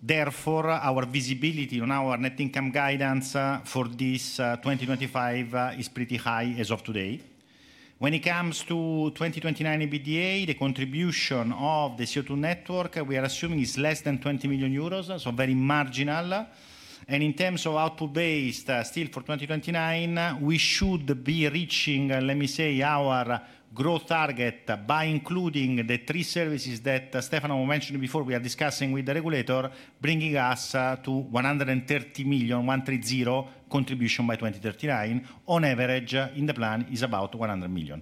Therefore, our visibility on our net income guidance for this 2025 is pretty high as of today. When it comes to 2029 EBITDA, the contribution of the CO2 network we are assuming is less than 20 million euros, so very marginal. In terms of output-based still for 2029, we should be reaching, let me say, our growth target by including the three services that Stefano mentioned before we are discussing with the regulator, bringing us to 130 million, 130 million contribution by 2039. On average, in the plan, it is about 100 million.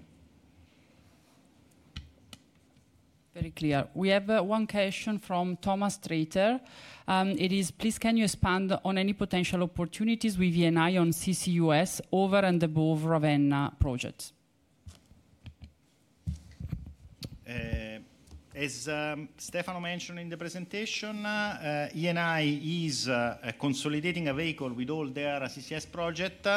Very clear. We have one question from Thomas Treter. It is, please, can you expand on any potential opportunities with Eni on CCUS over and above Ravenna projects? As Stefano mentioned in the presentation, Eni is consolidating a vehicle with all their CCS projects,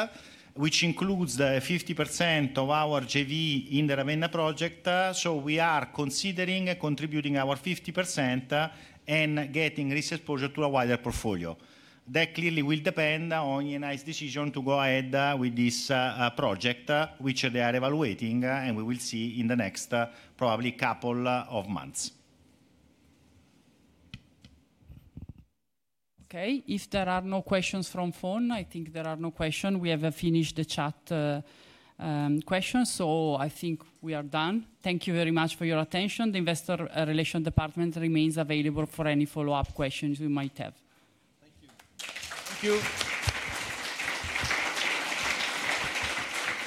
which includes 50% of our JV in the Ravenna project. So we are considering contributing our 50% and getting resource projects to a wider portfolio. That clearly will depend on Eni's decision to go ahead with this project, which they are evaluating, and we will see in the next probably couple of months.
Okay. If there are no questions from phone, I think there are no questions. We have finished the chat questions, so I think we are done. Thank you very much for your attention. The Investor Relations Department remains available for any follow-up questions you might have.
Thank you.
Thank you.